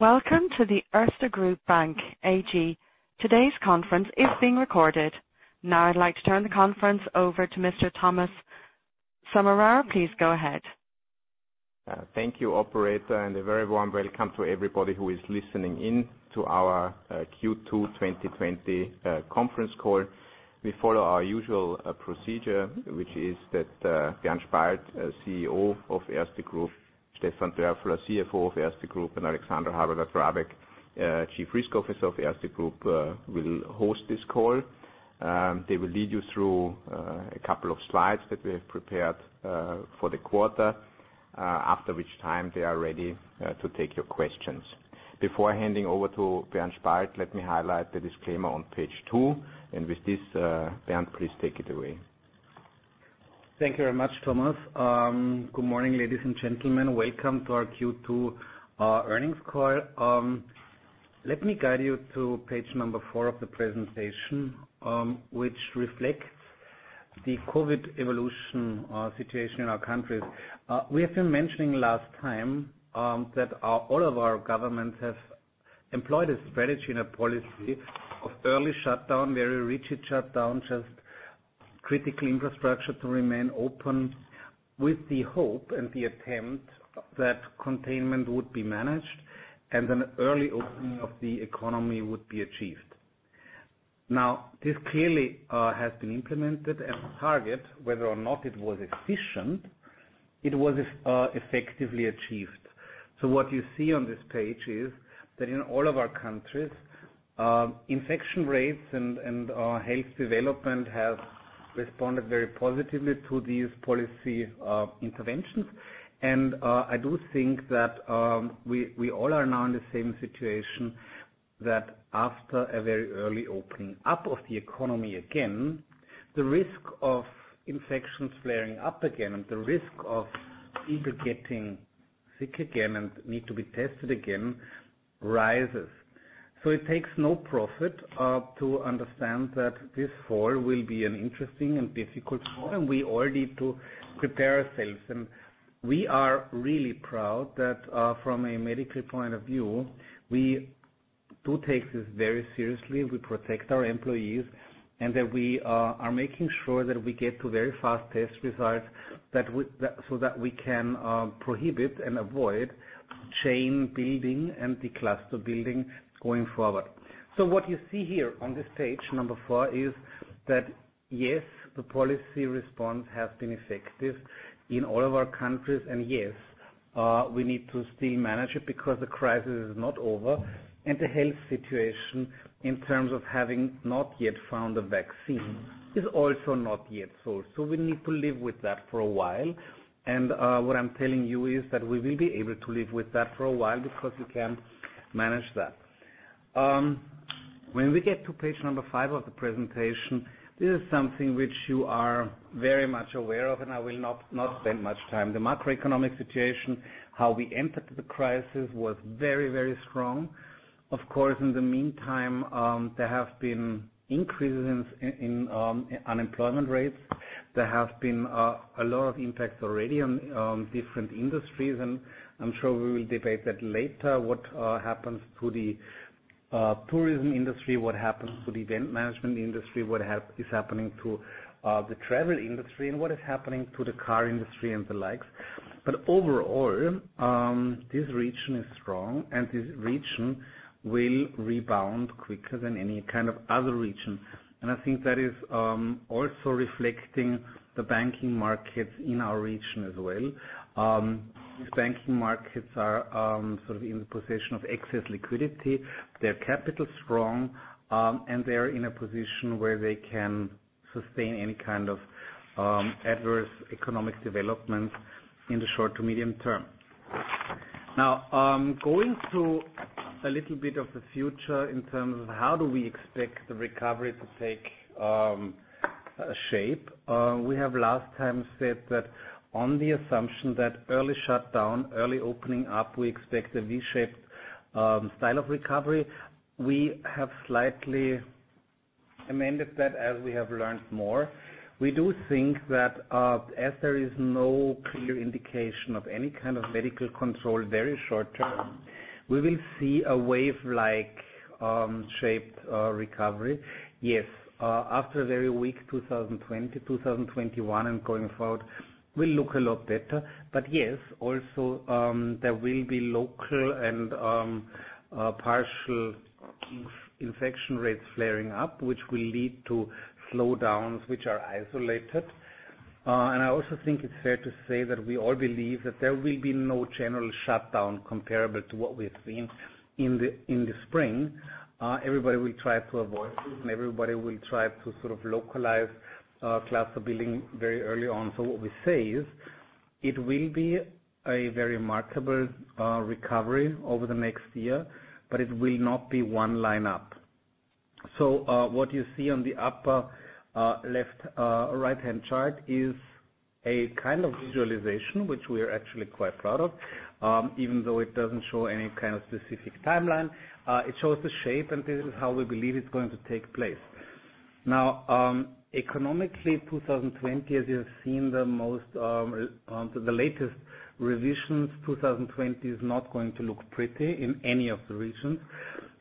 Welcome to the Erste Group Bank AG. Today's conference is being recorded. Now I'd like to turn the conference over to Mr. Thomas Sommerauer. Please go ahead. Thank you, operator. A very warm welcome to everybody who is listening in to our Q2 2020 conference call. We follow our usual procedure, which is that Bernd Spalt, CEO of Erste Group, Stefan Dörfler, CFO of Erste Group, and Alexandra Habeler-Drabek, Chief Risk Officer of Erste Group, will host this call. They will lead you through a couple of slides that we have prepared for the quarter, after which time they are ready to take your questions. Before handing over to Bernd Spalt, let me highlight the disclaimer on page two. With this, Bernd, please take it away. Thank you very much, Thomas. Good morning, ladies and gentlemen. Welcome to our Q2 earnings call. Let me guide you to page number four of the presentation, which reflects the COVID evolution situation in our countries. We have been mentioning last time that all of our governments have employed a strategy and a policy of early shutdown, very rigid shutdown, just critical infrastructure to remain open with the hope and the attempt that containment would be managed and an early opening of the economy would be achieved. This clearly has been implemented as a target. Whether or not it was efficient, it was effectively achieved. What you see on this page is that in all of our countries, infection rates and health development have responded very positively to these policy interventions. I do think that we all are now in the same situation, that after a very early opening up of the economy again, the risk of infections flaring up again and the risk of people getting sick again and need to be tested again rises. It takes no prophet to understand that this fall will be an interesting and difficult fall, and we all need to prepare ourselves. We are really proud that from a medical point of view, we do take this very seriously. We protect our employees, and that we are making sure that we get to very fast test results so that we can prohibit and avoid chain building and the cluster building going forward. What you see here on this page four is that, yes, the policy response has been effective in all of our countries, and yes, we need to still manage it because the crisis is not over, and the health situation in terms of having not yet found a vaccine is also not yet solved. We need to live with that for a while. What I'm telling you is that we will be able to live with that for a while because we can manage that. When we get to page five of the presentation, this is something which you are very much aware of, and I will not spend much time. The macroeconomic situation, how we entered the crisis was very, very strong. Of course, in the meantime, there have been increases in unemployment rates. There have been a lot of impacts already on different industries, and I'm sure we will debate that later, what happens to the tourism industry, what happens to the event management industry, what is happening to the travel industry, and what is happening to the car industry and the likes. Overall, this region is strong, and this region will rebound quicker than any kind of other region. I think that is also reflecting the banking markets in our region as well. These banking markets are sort of in the position of excess liquidity. They're capital-strong, and they are in a position where they can sustain any kind of adverse economic development in the short to medium term. Now, going to a little bit of the future in terms of how do we expect the recovery to take shape. We have last time said that on the assumption that early shutdown, early opening up, we expect a V-shaped style of recovery. We have slightly amended that as we have learned more. We do think that as there is no clear indication of any kind of medical control very short-term, we will see a wave-like shaped recovery. After a very weak 2020, 2021 and going forward will look a lot better. Also, there will be local and partial infection rates flaring up, which will lead to slowdowns which are isolated. I also think it's fair to say that we all believe that there will be no general shutdown comparable to what we've seen in the spring. Everybody will try to avoid this, and everybody will try to sort of localize cluster building very early on. What we say is it will be a very marketable recovery over the next year, but it will not be one line up. What you see on the upper right-hand chart is a kind of visualization, which we are actually quite proud of. Even though it doesn't show any kind of specific timeline, it shows the shape, and this is how we believe it's going to take place. Now, economically, 2020, as you have seen the latest revisions, 2020 is not going to look pretty in any of the regions.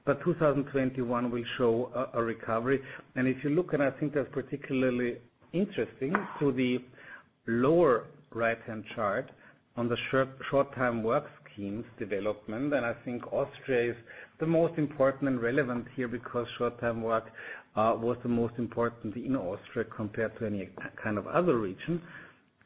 2021 will show a recovery. If you look, and I think that's particularly interesting, to the lower right-hand chart on the short-time work schemes development, and I think Austria is the most important and relevant here because short-term work was the most important in Austria compared to any other region.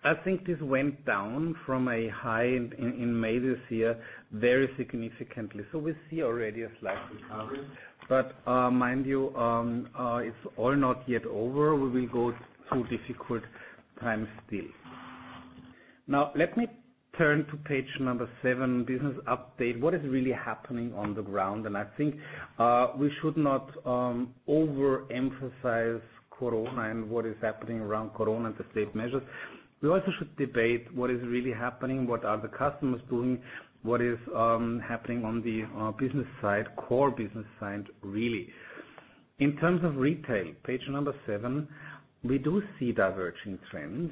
I think this went down from a high in May this year very significantly. We see already a slight recovery. Mind you, it's all not yet over. We will go through difficult times still. Let me turn to page seven, business update. What is really happening on the ground? I think we should not over-emphasize Corona and what is happening around Corona and the state measures. We also should debate what is really happening, what are the customers doing, what is happening on the business side, core business side, really. In terms of retail, page seven, we do see diverging trends.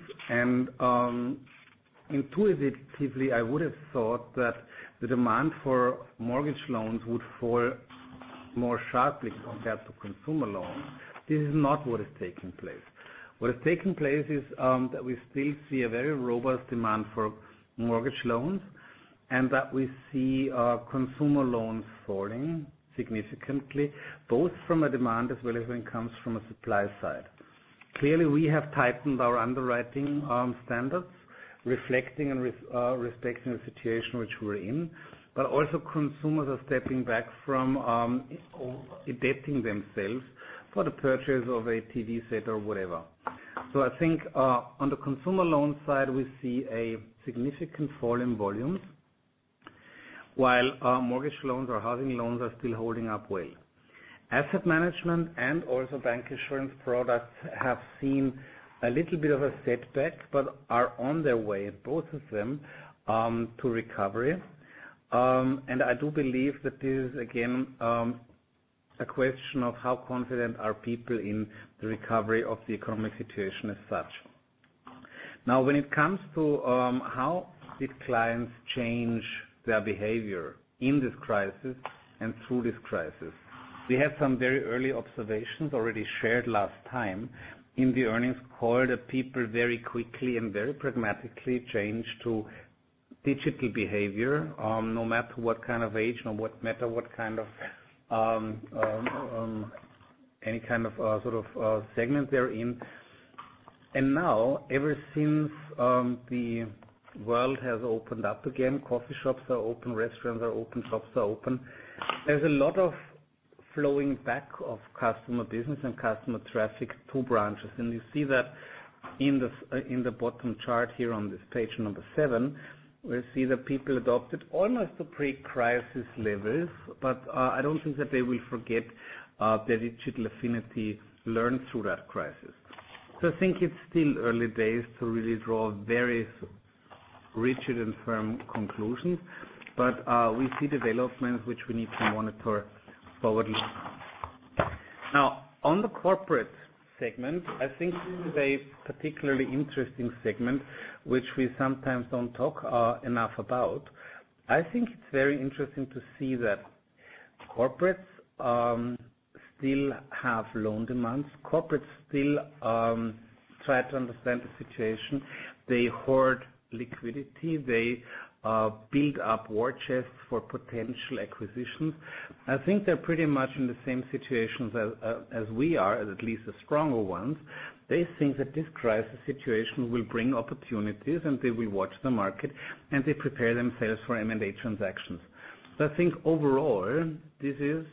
Intuitively, I would have thought that the demand for mortgage loans would fall more sharply compared to consumer loans. This is not what is taking place. What is taking place is that we still see a very robust demand for mortgage loans, and that we see consumer loans falling significantly, both from a demand as well as when it comes from a supply side. Clearly, we have tightened our underwriting standards, reflecting and respecting the situation which we're in. Also consumers are stepping back from adapting themselves for the purchase of a TV set or whatever. I think on the consumer loan side, we see a significant fall in volumes, while mortgage loans or housing loans are still holding up well. Asset management and also bank insurance products have seen a little bit of a setback, but are on their way, both of them, to recovery. I do believe that this is again, a question of how confident are people in the recovery of the economic situation as such. When it comes to how did clients change their behavior in this crisis and through this crisis. We have some very early observations already shared last time in the earnings call. The people very quickly and very pragmatically change to digital behavior, no matter what kind of age, no matter any kind of segment they're in. Ever since the world has opened up again, coffee shops are open, restaurants are open, shops are open. There's a lot of flowing back of customer business and customer traffic to branches. You see that in the bottom chart here on this page number seven, we see that people adopted almost the pre-crisis levels, but I don't think that they will forget the digital affinity learned through that crisis. I think it's still early days to really draw very rigid and firm conclusions, but we see developments which we need to monitor forwardly. On the corporate segment, I think this is a particularly interesting segment, which we sometimes don't talk enough about. I think it's very interesting to see that corporates still have loan demands. Corporates still try to understand the situation. They hoard liquidity. They build up war chests for potential acquisitions. I think they're pretty much in the same situation as we are, at least the stronger ones. They think that this crisis situation will bring opportunities, and they will watch the market, and they prepare themselves for M&A transactions. I think overall, this is,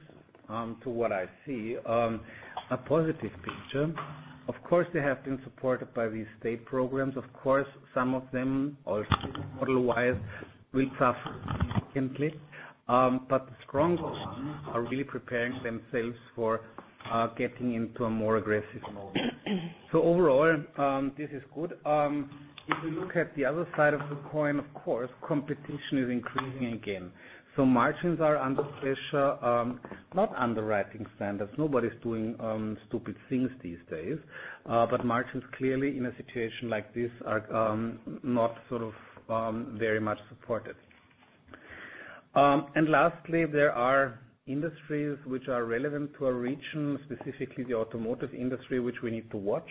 to what I see, a positive picture. Of course, they have been supported by these state programs. Of course, some of them, also model-wise, will suffer significantly. The stronger ones are really preparing themselves for getting into a more aggressive mode. Overall, this is good. If you look at the other side of the coin, of course, competition is increasing again. Margins are under pressure. Not underwriting standards. Nobody's doing stupid things these days. Margins, clearly, in a situation like this, are not very much supported. Lastly, there are industries which are relevant to a region, specifically the automotive industry, which we need to watch.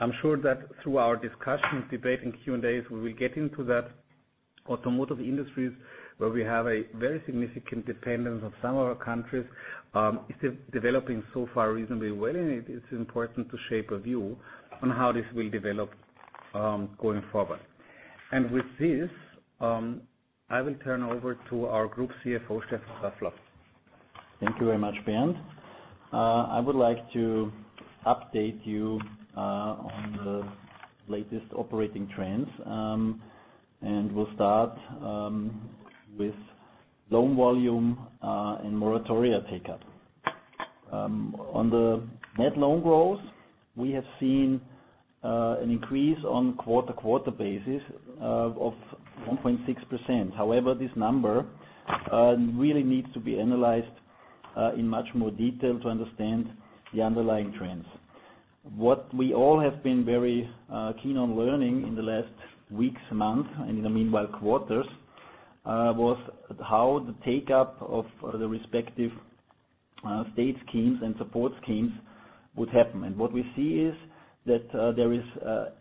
I'm sure that through our discussions, debate, and Q&As, we will get into that automotive industries, where we have a very significant dependence on some of our countries. It's developing so far reasonably well, and it is important to shape a view on how this will develop going forward. With this, I will turn over to our Group CFO, Stefan Dörfler. Thank you very much, Bernd. I would like to update you on the latest operating trends. We'll start with loan volume and moratoria take-up. On the net loan growth, we have seen an increase on quarter-to-quarter basis of 1.6%. However, this number really needs to be analyzed in much more detail to understand the underlying trends. What we all have been very keen on learning in the last weeks, months, and in the meanwhile, quarters, was how the take-up of the respective state schemes and support schemes would happen. What we see is that there is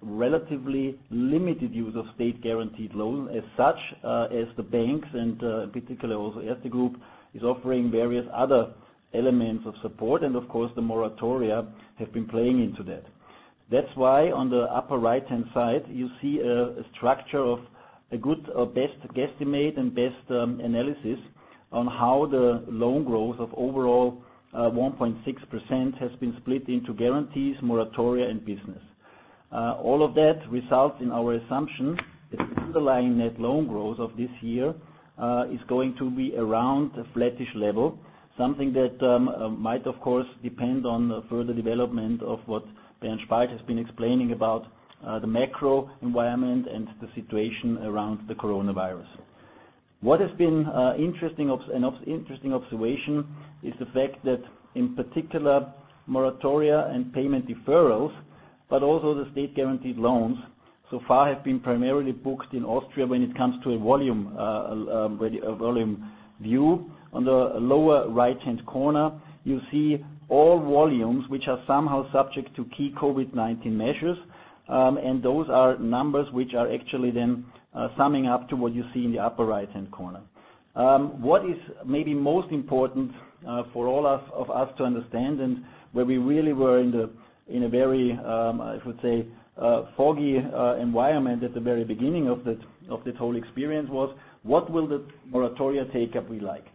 relatively limited use of state-guaranteed loans as such as the banks and particularly also Erste Group is offering various other elements of support, and of course, the moratoria have been playing into that. That's why on the upper right-hand side, you see a structure of a good or best guesstimate and best analysis on how the loan growth of overall 1.6% has been split into guarantees, moratoria, and business. All of that results in our assumption that the underlying net loan growth of this year is going to be around a flattish level, something that might, of course, depend on the further development of what Bernd Spalt has been explaining about the macro environment and the situation around the Coronavirus. What has been an interesting observation is the fact that in particular, moratoria and payment deferrals, but also the state-guaranteed loans so far have been primarily booked in Austria when it comes to a volume view. On the lower right-hand corner, you see all volumes which are somehow subject to key COVID-19 measures. Those are numbers which are actually then summing up to what you see in the upper right-hand corner. What is maybe most important for all of us to understand and where we really were in a very, I would say, foggy environment at the very beginning of that whole experience was, what will the moratoria take-up be like.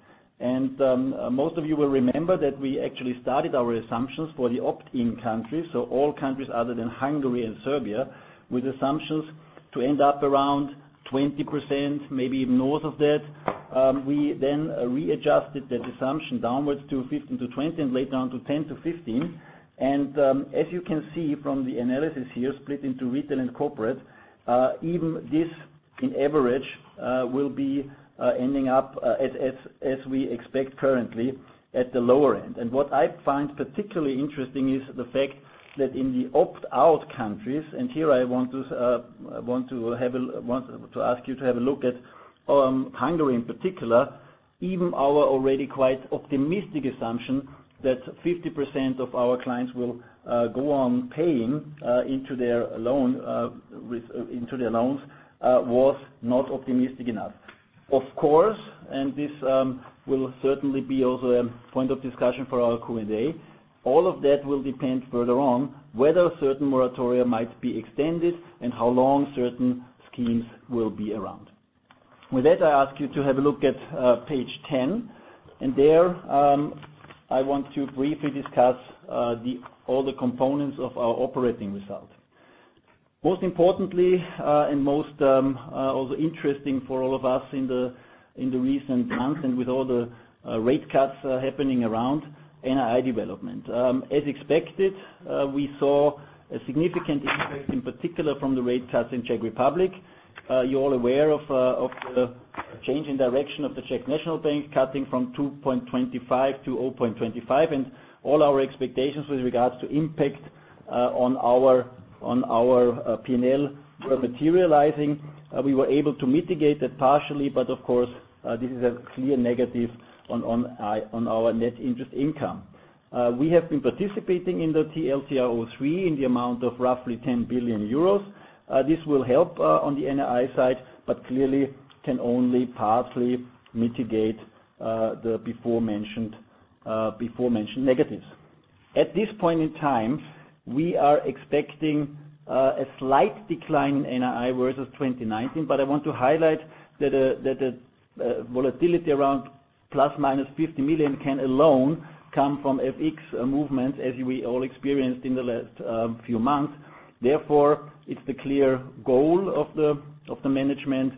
Most of you will remember that we actually started our assumptions for the opt-in countries, so all countries other than Hungary and Serbia, with assumptions to end up around 20%, maybe north of that. We then readjusted that assumption downwards to 15%-20%, and later on to 10%-15%. As you can see from the analysis here, split into retail and corporate, even this in average will be ending up as we expect currently at the lower end. What I find particularly interesting is the fact that in the opt-out countries, and here I want to ask you to have a look at Hungary in particular, even our already quite optimistic assumption that 50% of our clients will go on paying into their loans was not optimistic enough. Of course, this will certainly be also a point of discussion for our Q&A, all of that will depend further on whether certain moratoria might be extended and how long certain schemes will be around. With that, I ask you to have a look at page 10, there I want to briefly discuss all the components of our operating results. Most importantly, most also interesting for all of us in the recent months and with all the rate cuts happening around NII development. As expected, we saw a significant increase, in particular from the rate cuts in Czech Republic. You're all aware of the change in direction of the Czech National Bank cutting from 2.25 to 0.25. All our expectations with regards to impact on our P&L were materializing. We were able to mitigate that partially, but of course, this is a clear negative on our net interest income. We have been participating in the TLTRO III in the amount of roughly 10 billion euros. This will help on the NII side, but clearly can only partly mitigate the before-mentioned negatives. At this point in time, we are expecting a slight decline in NII versus 2019, but I want to highlight that the volatility around ±50 million can alone come from FX movements as we all experienced in the last few months. It's the clear goal of the management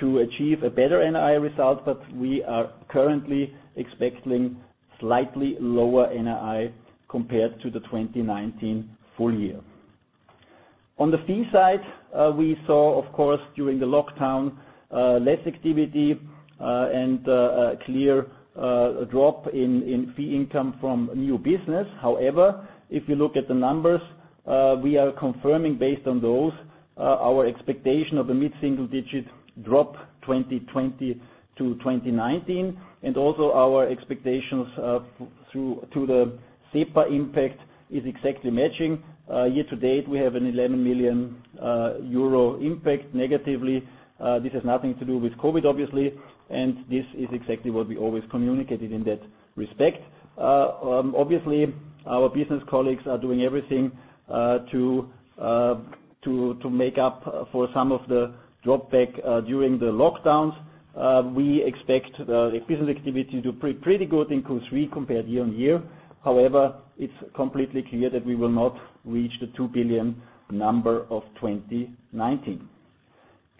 to achieve a better NII result, but we are currently expecting slightly lower NII compared to the 2019 full year. On the fee side, we saw, of course, during the lockdown, less activity and a clear drop in fee income from new business. If you look at the numbers, we are confirming based on those our expectation of a mid-single-digit drop 2020 to 2019. Our expectations to the SEPA impact is exactly matching. Year to date, we have an 11 million euro impact negatively. This has nothing to do with COVID, obviously, and this is exactly what we always communicated in that respect. Obviously, our business colleagues are doing everything to make up for some of the drop back during the lockdowns. We expect the business activity to pretty good in Q3 compared year-on-year. However, it's completely clear that we will not reach the 2 billion number of 2019.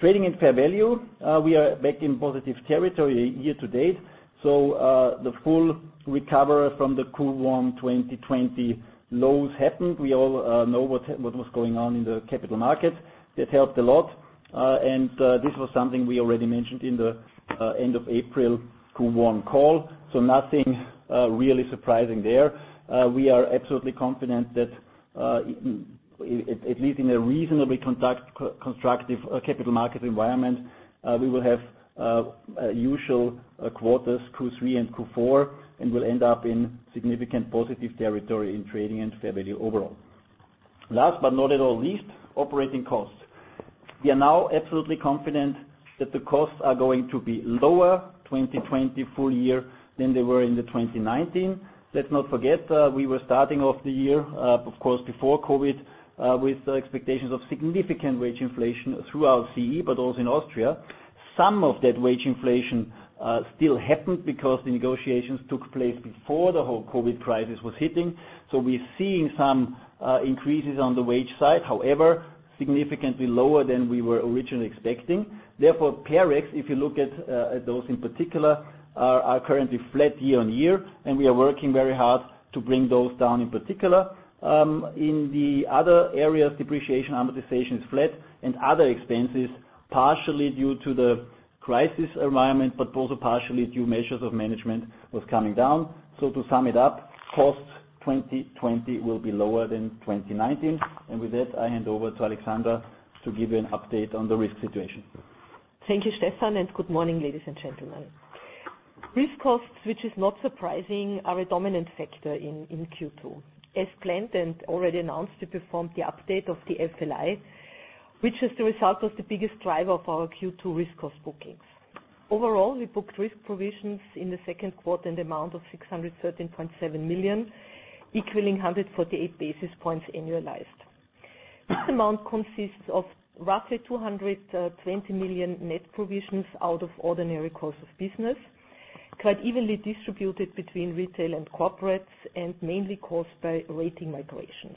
Trading and fair value. We are back in positive territory year to date. The full recovery from the Q1 2020 lows happened. We all know what was going on in the capital market. That helped a lot. This was something we already mentioned in the end of April Q1 call. Nothing really surprising there. We are absolutely confident that, at least in a reasonably constructive capital market environment, we will have usual quarters, Q3 and Q4, and will end up in significant positive territory in trading and fair value overall. Last but not at all least, operating costs. We are now absolutely confident that the costs are going to be lower 2020 full year than they were in the 2019. Let's not forget, we were starting off the year, of course, before COVID, with expectations of significant wage inflation throughout CE, but also in Austria. Some of that wage inflation still happened because the negotiations took place before the whole COVID crisis was hitting. We're seeing some increases on the wage side, however, significantly lower than we were originally expecting. Therefore, PEREX, if you look at those in particular, are currently flat year-on-year, and we are working very hard to bring those down in particular. In the other areas, depreciation, amortization is flat and other expenses, partially due to the crisis environment, but also partially due measures of management was coming down. To sum it up, costs 2020 will be lower than 2019. With that, I hand over to Alexandra to give you an update on the risk situation. Thank you, Stefan. Good morning, ladies and gentlemen. Risk costs, which is not surprising, are a dominant factor in Q2. As planned and already announced, we performed the update of the FLI, which as the result was the biggest driver of our Q2 risk cost bookings. Overall, we booked risk provisions in the second quarter in the amount of 613.7 million, equaling 148 basis points annualized. This amount consists of roughly 220 million net provisions out of ordinary course of business, quite evenly distributed between retail and corporates, and mainly caused by rating migrations.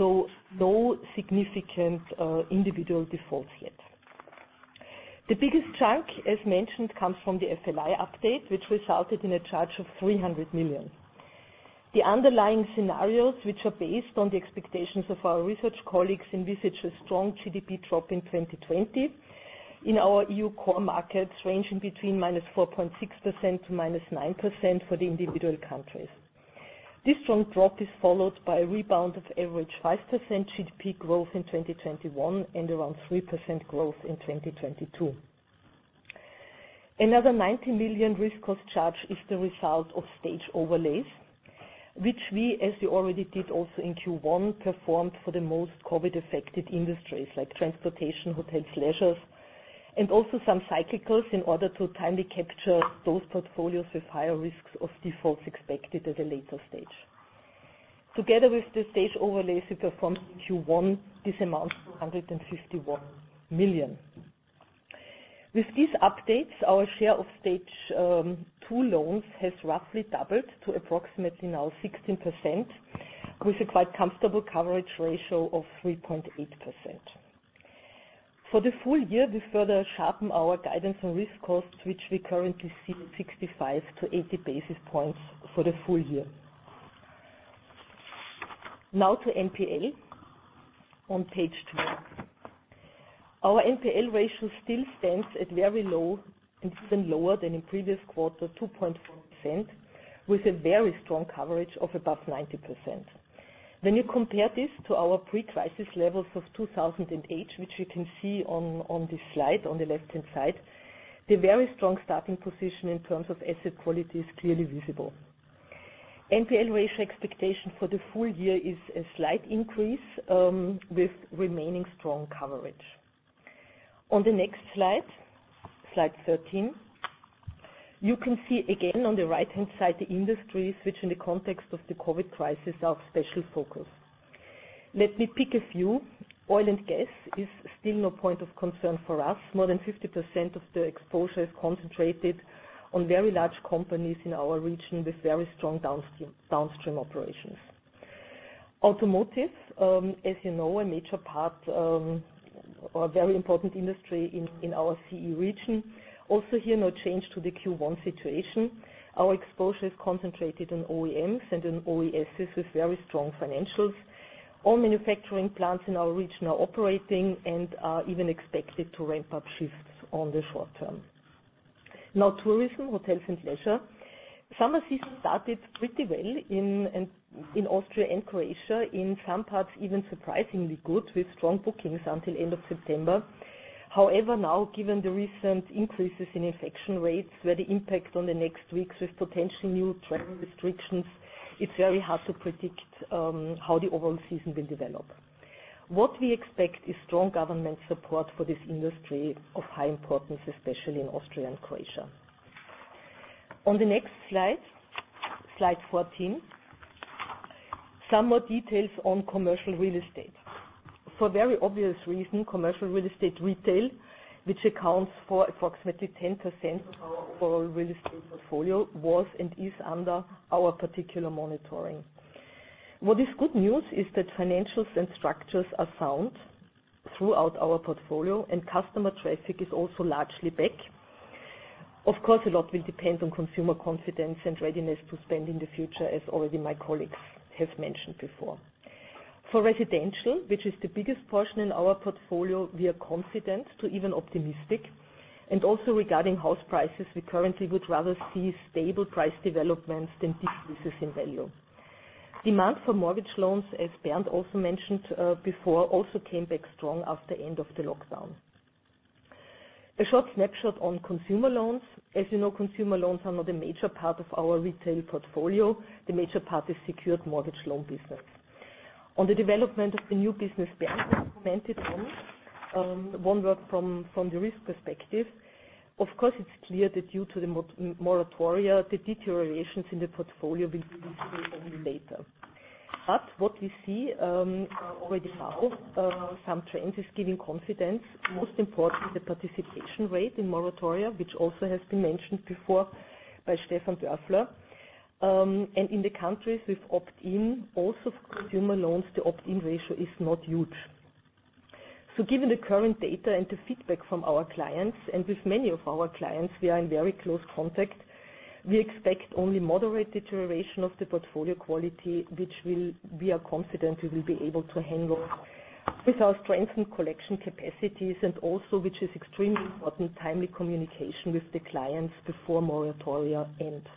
No significant individual defaults yet. The biggest chunk, as mentioned, comes from the FLI update, which resulted in a charge of 300 million. The underlying scenarios, which are based on the expectations of our research colleagues, envisage a strong GDP drop in 2020 in our EU core markets, ranging between -4.6% to -9% for the individual countries. This strong drop is followed by a rebound of average 5% GDP growth in 2021 and around 3% growth in 2022. Another 90 million risk cost charge is the result of stage overlays, which we, as we already did also in Q1, performed for the most COVID-affected industries like transportation, hotels, leisure, and also some cyclicals in order to timely capture those portfolios with higher risks of defaults expected at a later stage. Together with the stage overlays we performed in Q1, this amounts to 151 million. With these updates, our share of Stage 2 loans has roughly doubled to approximately now 16%, with a quite comfortable coverage ratio of 3.8%. For the full year, we further sharpen our guidance on risk costs, which we currently see 65-80 basis points for the full year. Now to NPL on page 12. Our NPL ratio still stands at very low, and even lower than in previous quarter, 2.4%, with a very strong coverage of above 90%. When you compare this to our pre-crisis levels of 2008, which you can see on the slide on the left-hand side, the very strong starting position in terms of asset quality is clearly visible. NPL ratio expectation for the full year is a slight increase, with remaining strong coverage. On the next slide 13, you can see again on the right-hand side the industries, which in the context of the COVID crisis, are of special focus. Let me pick a few. Oil and gas is still no point of concern for us. More than 50% of the exposure is concentrated on very large companies in our region with very strong downstream operations. Automotive, as you know, a major part, or a very important industry in our CE region. Also here, no change to the Q1 situation. Our exposure is concentrated on OEMs and on OES with very strong financials. All manufacturing plants in our region are operating and are even expected to ramp up shifts on the short term. Tourism, hotels, and leisure. Summer season started pretty well in Austria and Croatia. In some parts, even surprisingly good with strong bookings until end of September. Given the recent increases in infection rates, where the impact on the next weeks with potentially new travel restrictions, it's very hard to predict how the overall season will develop. What we expect is strong government support for this industry of high importance, especially in Austria and Croatia. On the next slide 14, some more details on commercial real estate. For very obvious reason, commercial real estate retail, which accounts for approximately 10% of our overall real estate portfolio, was and is under our particular monitoring. What is good news is that financials and structures are sound throughout our portfolio, and customer traffic is also largely back. A lot will depend on consumer confidence and readiness to spend in the future, as already my colleagues have mentioned before. For residential, which is the biggest portion in our portfolio, we are confident to even optimistic. Also regarding house prices, we currently would rather see stable price developments than decreases in value. Demand for mortgage loans, as Bernd also mentioned before, also came back strong after end of the lockdown. A short snapshot on consumer loans. As you know, consumer loans are not a major part of our retail portfolio. The major part is secured mortgage loan business. On the development of the new business Bernd has commented on, one word from the risk perspective. It's clear that due to the moratoria, the deteriorations in the portfolio will be visible only later. What we see already now, some trends is giving confidence, most important, the participation rate in moratoria, which also has been mentioned before by Stefan Dörfler. In the countries with opt-in, also for consumer loans, the opt-in ratio is not huge. Given the current data and the feedback from our clients, and with many of our clients, we are in very close contact, we expect only moderate deterioration of the portfolio quality, which we are confident we will be able to handle with our strength and collection capacities and also, which is extremely important, timely communication with the clients before moratoria end.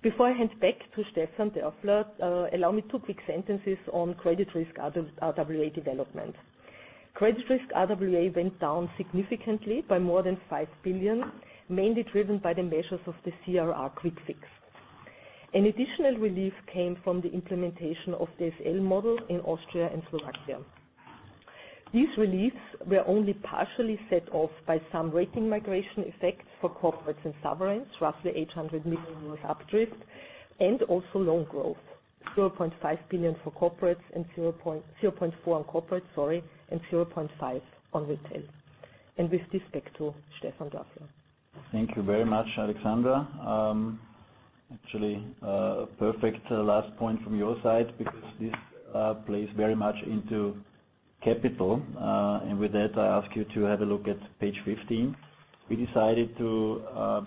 Before I hand back to Stefan Dörfler, allow me two quick sentences on credit risk RWA development. Credit risk RWA went down significantly by more than 5 billion, mainly driven by the measures of the CRR quick fix. An additional relief came from the implementation of the SL model in Austria and Slovakia. These reliefs were only partially set off by some rating migration effects for corporates and sovereigns, roughly 800 million uplift, and also loan growth, 0.4 on corporate, sorry, and 0.5 on retail. With this, back to Stefan Dörfler. Thank you very much, Alexandra. Actually, perfect last point from your side because this plays very much into capital. With that, I ask you to have a look at page 15. We decided to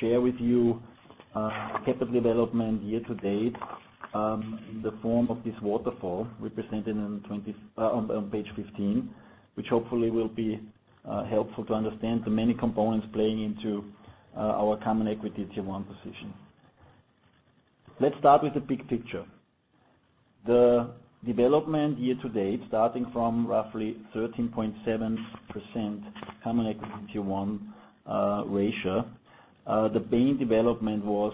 share with you capital development year to date in the form of this waterfall represented on page 15, which hopefully will be helpful to understand the many components playing into our Common Equity Tier 1 position. Let's start with the big picture. The development year to date, starting from roughly 13.7% Common Equity Tier 1 ratio. The main development was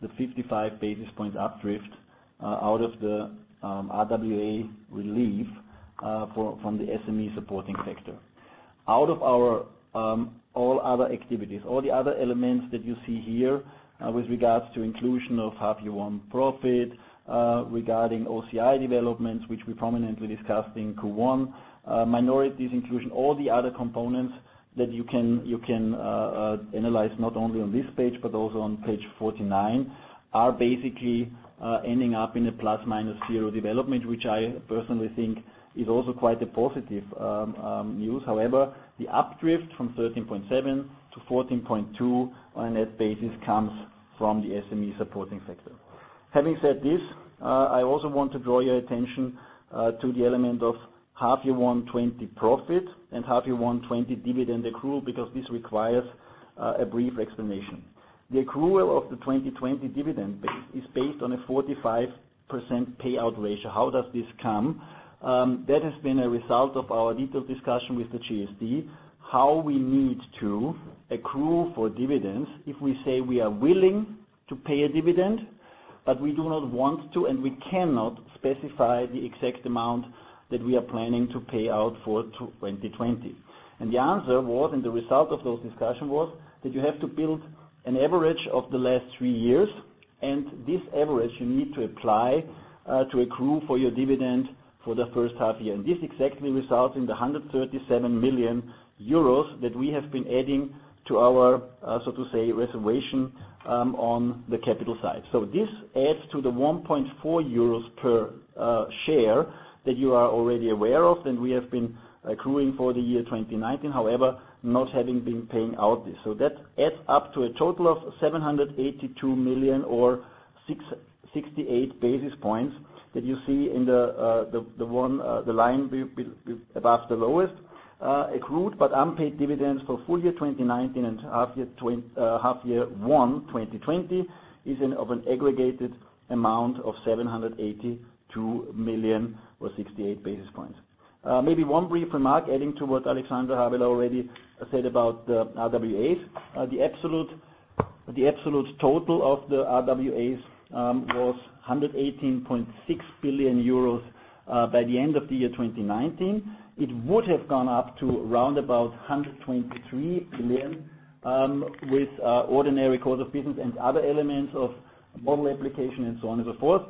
the 55 basis point uplift out of the RWA relief from the SME supporting factor. Out of all other activities, all the other elements that you see here with regards to inclusion of half year one profit, regarding OCI developments, which we prominently discussed in Q1, minorities inclusion, all the other components that you can analyze not only on this page, but also on page 49, are basically ending up in a plus-minus zero development, which I personally think is also quite a positive news. The uplift from 13.7 to 14.2 on a net basis comes from the SME supporting factor. Having said this, I also want to draw your attention to the element of half year one, 2020 profit and half year one, 2020 dividend accrual because this requires a brief explanation. The accrual of the 2020 dividend is based on a 45% payout ratio. How does this come? That has been a result of our detailed discussion with the JST, how we need to accrue for dividends if we say we are willing to pay a dividend, but we do not want to, and we cannot specify the exact amount that we are planning to pay out for 2020. The answer was, and the result of those discussion was that you have to build an average of the last three years, and this average you need to apply to accrue for your dividend for the first half year. This exactly results in the 137 million euros that we have been adding to our, so to say, reservation on the capital side. This adds to the 1.4 euros per share that you are already aware of, and we have been accruing for the year 2019, however, not having been paying out this. That adds up to a total of 782 million or 68 basis points that you see in the line above the lowest accrued but unpaid dividends for full year 2019 and half year one 2020 is of an aggregated amount of 782 million or 68 basis points. Maybe one brief remark adding to what Alexandra Habeler already said about the RWAs. The absolute total of the RWAs was 118.6 billion euros by the end of the year 2019. It would have gone up to around about 123 billion with ordinary course of business and other elements of model application and so on and so forth.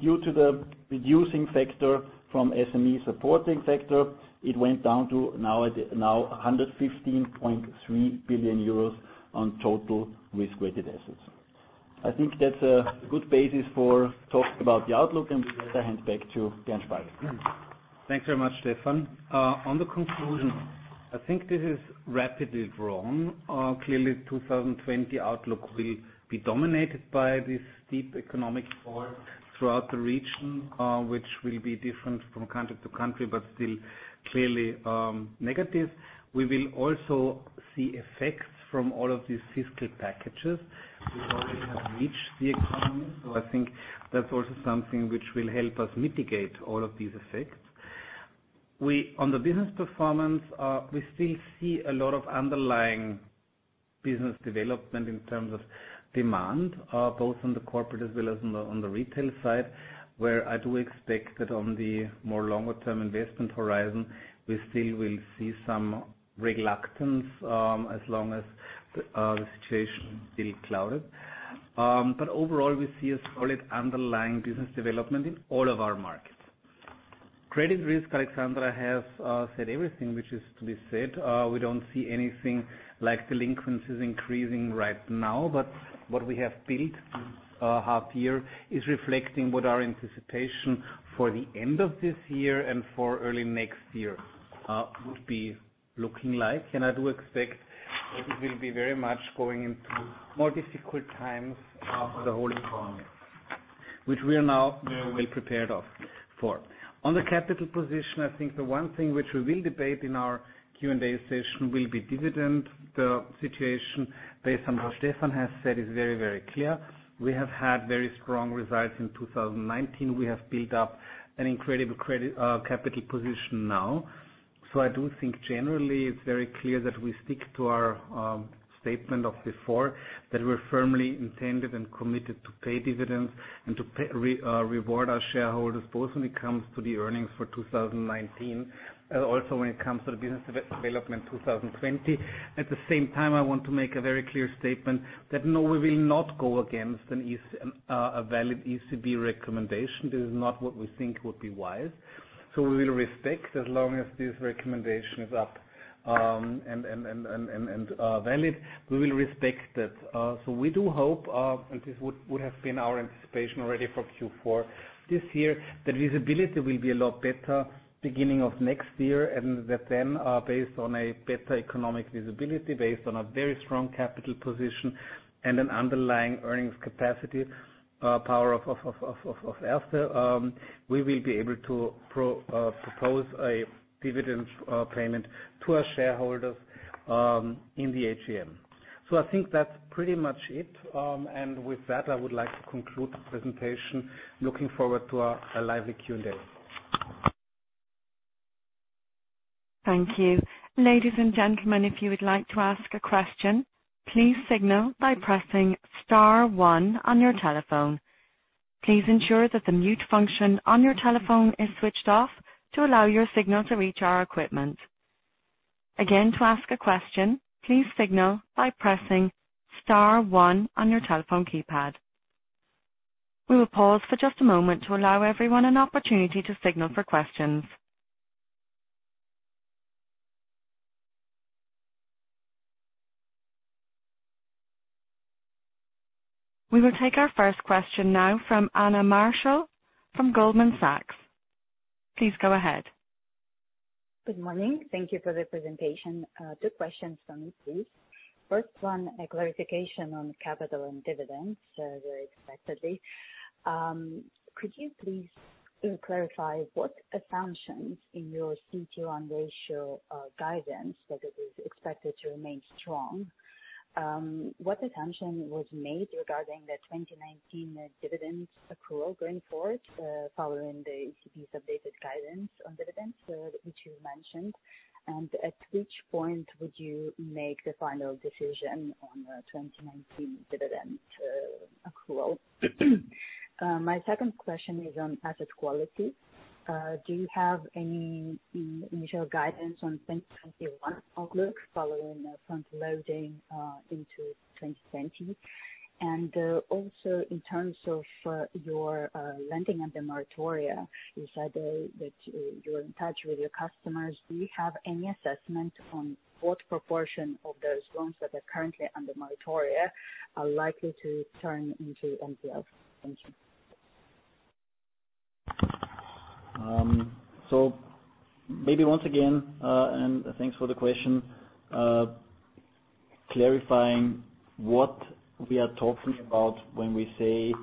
Due to the reducing factor from SME supporting factor, it went down to now 115.3 billion euros on total risk-weighted assets. I think that's a good basis for talking about the outlook, and with that, I hand back to Bernd Spalt. Thanks very much, Stefan. On the conclusion, I think this is rapidly drawn. Clearly, 2020 outlook will be dominated by this steep economic fall throughout the region, which will be different from country to country, but still clearly negative. We will also see effects from all of these fiscal packages. We already have reached the economy, so I think that's also something which will help us mitigate all of these effects. On the business performance, we still see a lot of underlying business development in terms of demand, both on the corporate as well as on the retail side, where I do expect that on the more longer-term investment horizon, we still will see some reluctance, as long as the situation is still clouded. Overall, we see a solid underlying business development in all of our markets. Credit risk, Alexandra has said everything which is to be said. We don't see anything like delinquencies increasing right now, but what we have built half year is reflecting what our anticipation for the end of this year and for early next year would be looking like. I do expect that we will be very much going into more difficult times for the whole economy, which we are now very well prepared for. On the capital position, I think the one thing which we will debate in our Q&A session will be dividend. The situation based on what Stefan has said is very, very clear. We have had very strong results in 2019. We have built up an incredible capital position now. I do think generally it's very clear that we stick to our statement of before, that we're firmly intended and committed to pay dividends and to reward our shareholders, both when it comes to the earnings for 2019, also when it comes to the business development 2020. At the same time, I want to make a very clear statement that, no, we will not go against a valid ECB recommendation. This is not what we think would be wise. We will respect as long as this recommendation is up and valid, we will respect it. We do hope, and this would have been our anticipation already for Q4 this year, that visibility will be a lot better beginning of next year, based on a better economic visibility, based on a very strong capital position and an underlying earnings capacity power of Erste, we will be able to propose a dividend payment to our shareholders in the AGM. I think that's pretty much it. With that, I would like to conclude the presentation. Looking forward to a lively Q&A. Thank you. Ladies and gentlemen, if you would like to ask a question, please signal by pressing star one on your telephone. Please ensure that the mute function on your telephone is switched off to allow your signal to reach our equipment. Again, to ask a question, please signal by pressing star one on your telephone keypad. We will pause for just a moment to allow everyone an opportunity to signal for questions. We will take our first question now from Anna Marshall from Goldman Sachs. Please go ahead. Good morning. Thank you for the presentation. Two questions from me, please. First one, a clarification on capital and dividends, very expectedly. Could you please clarify what assumptions in your CET1 ratio guidance that it is expected to remain strong? What assumption was made regarding the 2019 dividends accrual going forward, following the ECB's updated guidance on dividends, which you mentioned? At which point would you make the final decision on the 2019 dividend accrual? My second question is on asset quality. Do you have any initial guidance on 2021 outlook following the frontloading into 2020? Also, in terms of your lending and the moratoria, you said that you're in touch with your customers. Do you have any assessment on what proportion of those loans that are currently under moratoria are likely to turn into NPLs? Thank you. Maybe once again, and thanks for the question, clarifying what we are talking about when we say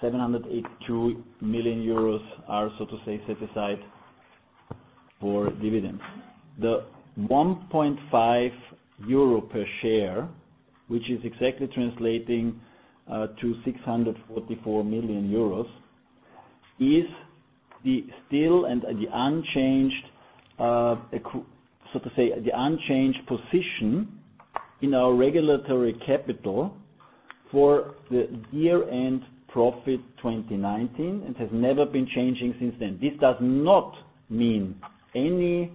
782 million euros are, so to say, set aside for dividends. The 1.5 euro per share, which is exactly translating to 644 million euros, is the still and the unchanged position in our regulatory capital for the year-end profit 2019. It has never been changing since then. This does not mean any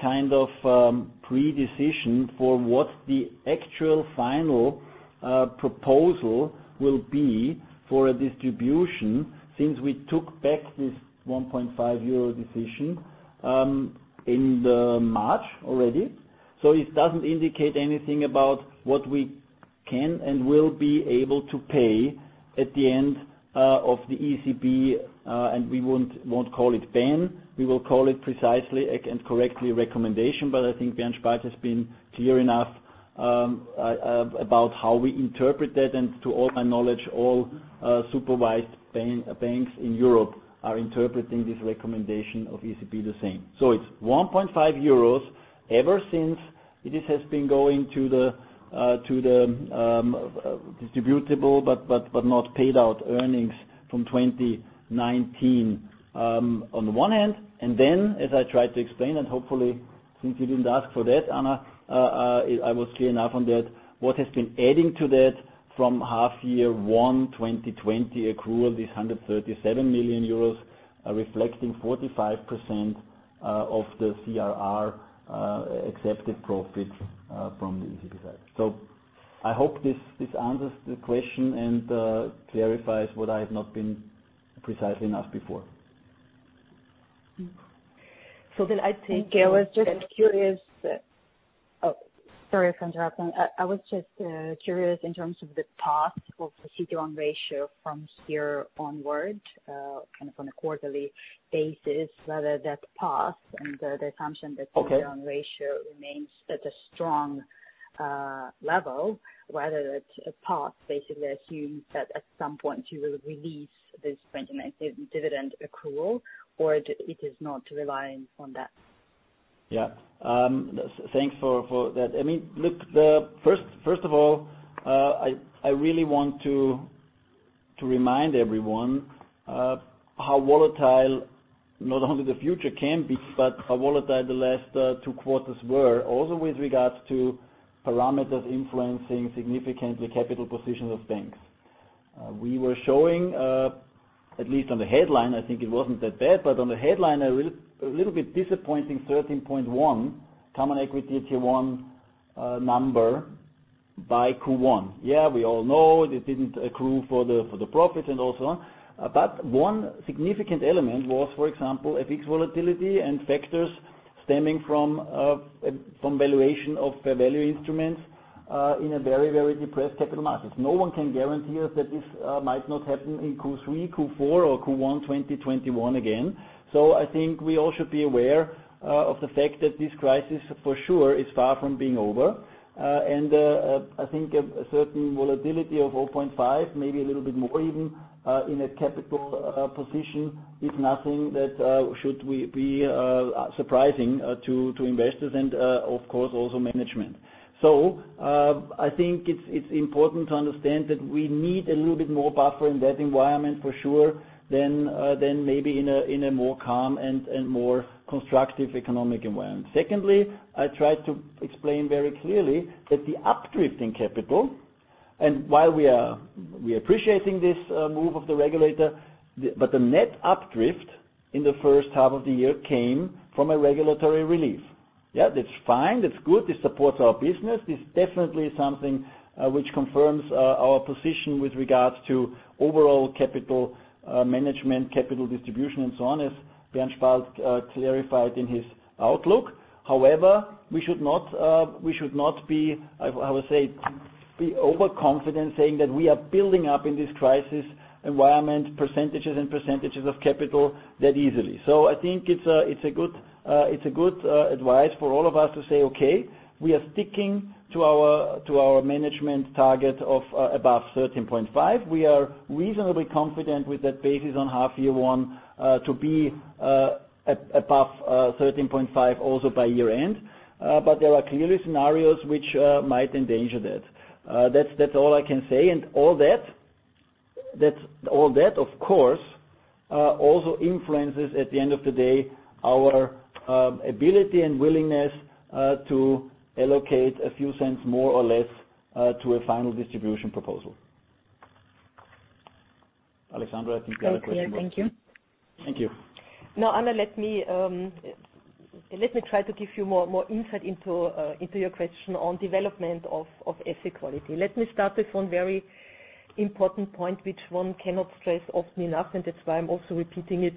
kind of pre-decision for what the actual final proposal will be for a distribution since we took back this 1.5 euro decision in March already. It doesn't indicate anything about what we can and will be able to pay at the end of the ECB, and we won't call it ban. We will call it precisely and correctly a recommendation, but I think Bernd Spalt has been clear enough about how we interpret that, and to all my knowledge, all supervised banks in Europe are interpreting this recommendation of ECB the same. It's 1.5 euros ever since this has been going to the distributable but not paid out earnings from 2019 on one hand, and then as I tried to explain, and hopefully since you didn't ask for that, Anna, I was clear enough on that. What has been adding to that from half year one 2020 accrual is this 137 million euros, reflecting 45% of the CRR accepted profit from the ECB side. I hope this answers the question and clarifies what I have not been precise enough before. So then I think I was just curious. Oh, sorry for interrupting. I was just curious in terms of the path of the CET1 ratio from here onwards, kind of on a quarterly basis, whether that path and the assumption that the CET1 ratio remains at a strong level, whether that path basically assumes that at some point you will release this 2019 dividend accrual, or it is not relying on that. Thanks for that. First of all, I really want to remind everyone how volatile not only the future can be, but how volatile the last two quarters were, also with regards to parameters influencing significantly capital positions of banks. We were showing, at least on the headline, I think it wasn't that bad, but on the headline, a little bit disappointing 13.1 Common Equity Tier 1 number by Q1. We all know this didn't accrue for the profits and all so on. One significant element was, for example, FX volatility and factors stemming from valuation of fair value instruments in a very, very depressed capital markets. No one can guarantee us that this might not happen in Q3, Q4, or Q1 2021 again. I think we all should be aware of the fact that this crisis, for sure, is far from being over. I think a certain volatility of 0.5, maybe a little bit more even, in a capital position is nothing that should be surprising to investors and, of course, also management. I think it's important to understand that we need a little bit more buffer in that environment for sure than maybe in a more calm and more constructive economic environment. Secondly, I tried to explain very clearly that the up drift in capital, and while we are appreciating this move of the regulator, but the net up drift in the first half of the year came from a regulatory relief. Yeah, that's fine. That's good. This supports our business. This is definitely something which confirms our position with regards to overall capital management, capital distribution, and so on, as Bernd Spalt clarified in his outlook. However, we should not be, I would say, over-confident saying that we are building up in this crisis environment, percentages and percentages of capital that easily. I think it's a good advice for all of us to say, okay, we are sticking to our management target of above 13.5. We are reasonably confident with that basis on half year one to be above 13.5 also by year end. There are clearly scenarios which might endanger that. That's all I can say, and all that, of course, also influences, at the end of the day, our ability and willingness to allocate a few cents more or less to a final distribution proposal. Alexandra, I think you have a question. Okay, thank you. Thank you. Anna, let me try to give you more insight into your question on development of asset quality. Let me start with one very important point, which one cannot stress often enough, and that's why I'm also repeating it.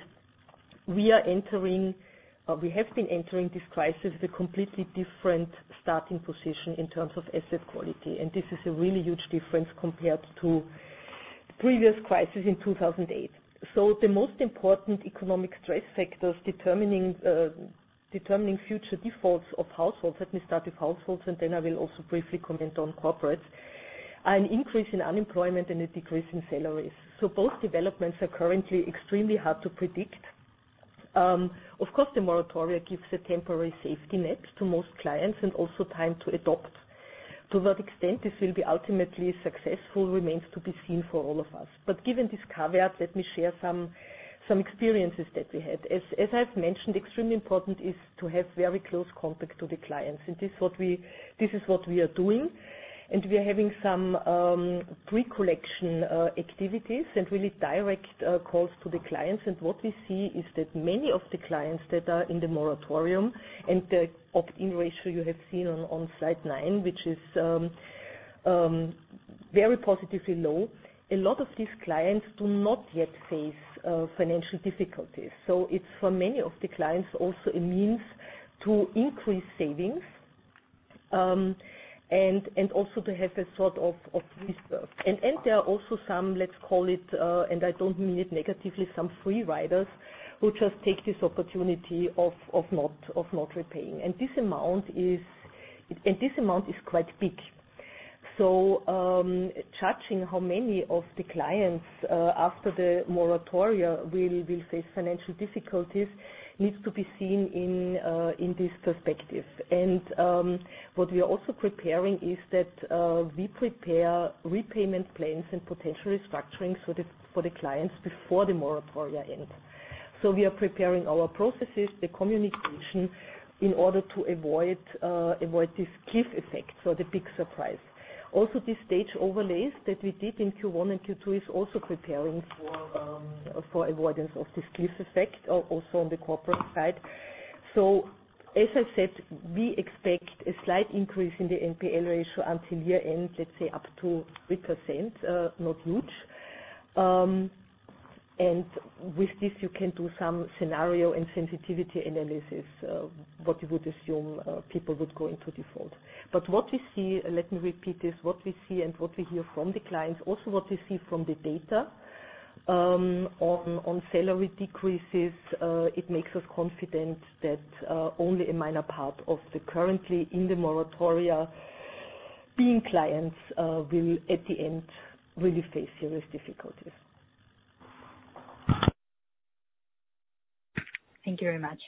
We have been entering this crisis with a completely different starting position in terms of asset quality. This is a really huge difference compared to the previous crisis in 2008. The most important economic stress factors determining future defaults of households, let me start with households. Then I will also briefly comment on corporates. An increase in unemployment and a decrease in salaries. Both developments are currently extremely hard to predict. Of course, the moratoria gives a temporary safety net to most clients and also time to adopt. To what extent this will be ultimately successful remains to be seen for all of us. Given this caveat, let me share some experiences that we had. As I've mentioned, extremely important is to have very close contact to the clients. This is what we are doing. We are having some pre-collection activities and really direct calls to the clients. What we see is that many of the clients that are in the moratorium, and the opt-in ratio you have seen on slide nine, which is very positively low. A lot of these clients do not yet face financial difficulties. It's for many of the clients, also a means to increase savings, and also to have a sort of reserve. There are also some, let's call it, and I don't mean it negatively, some free riders who just take this opportunity of not repaying. This amount is quite big. Judging how many of the clients, after the moratoria will face financial difficulties needs to be seen in this perspective. What we are also preparing is that, we prepare repayment plans and potential restructuring for the clients before the moratoria end. We are preparing our processes, the communication in order to avoid this cliff effect, so the big surprise. The stage overlays that we did in Q1 and Q2 is also preparing for avoidance of this cliff effect also on the corporate side. As I said, we expect a slight increase in the NPL ratio until year-end, let's say up to 3%, not huge. With this you can do some scenario and sensitivity analysis of what you would assume people would go into default. What we see, let me repeat this, what we see and what we hear from the clients, also what we see from the data, on salary decreases, it makes us confident that only a minor part of the currently in the moratoria being clients will at the end really face serious difficulties. Thank you very much.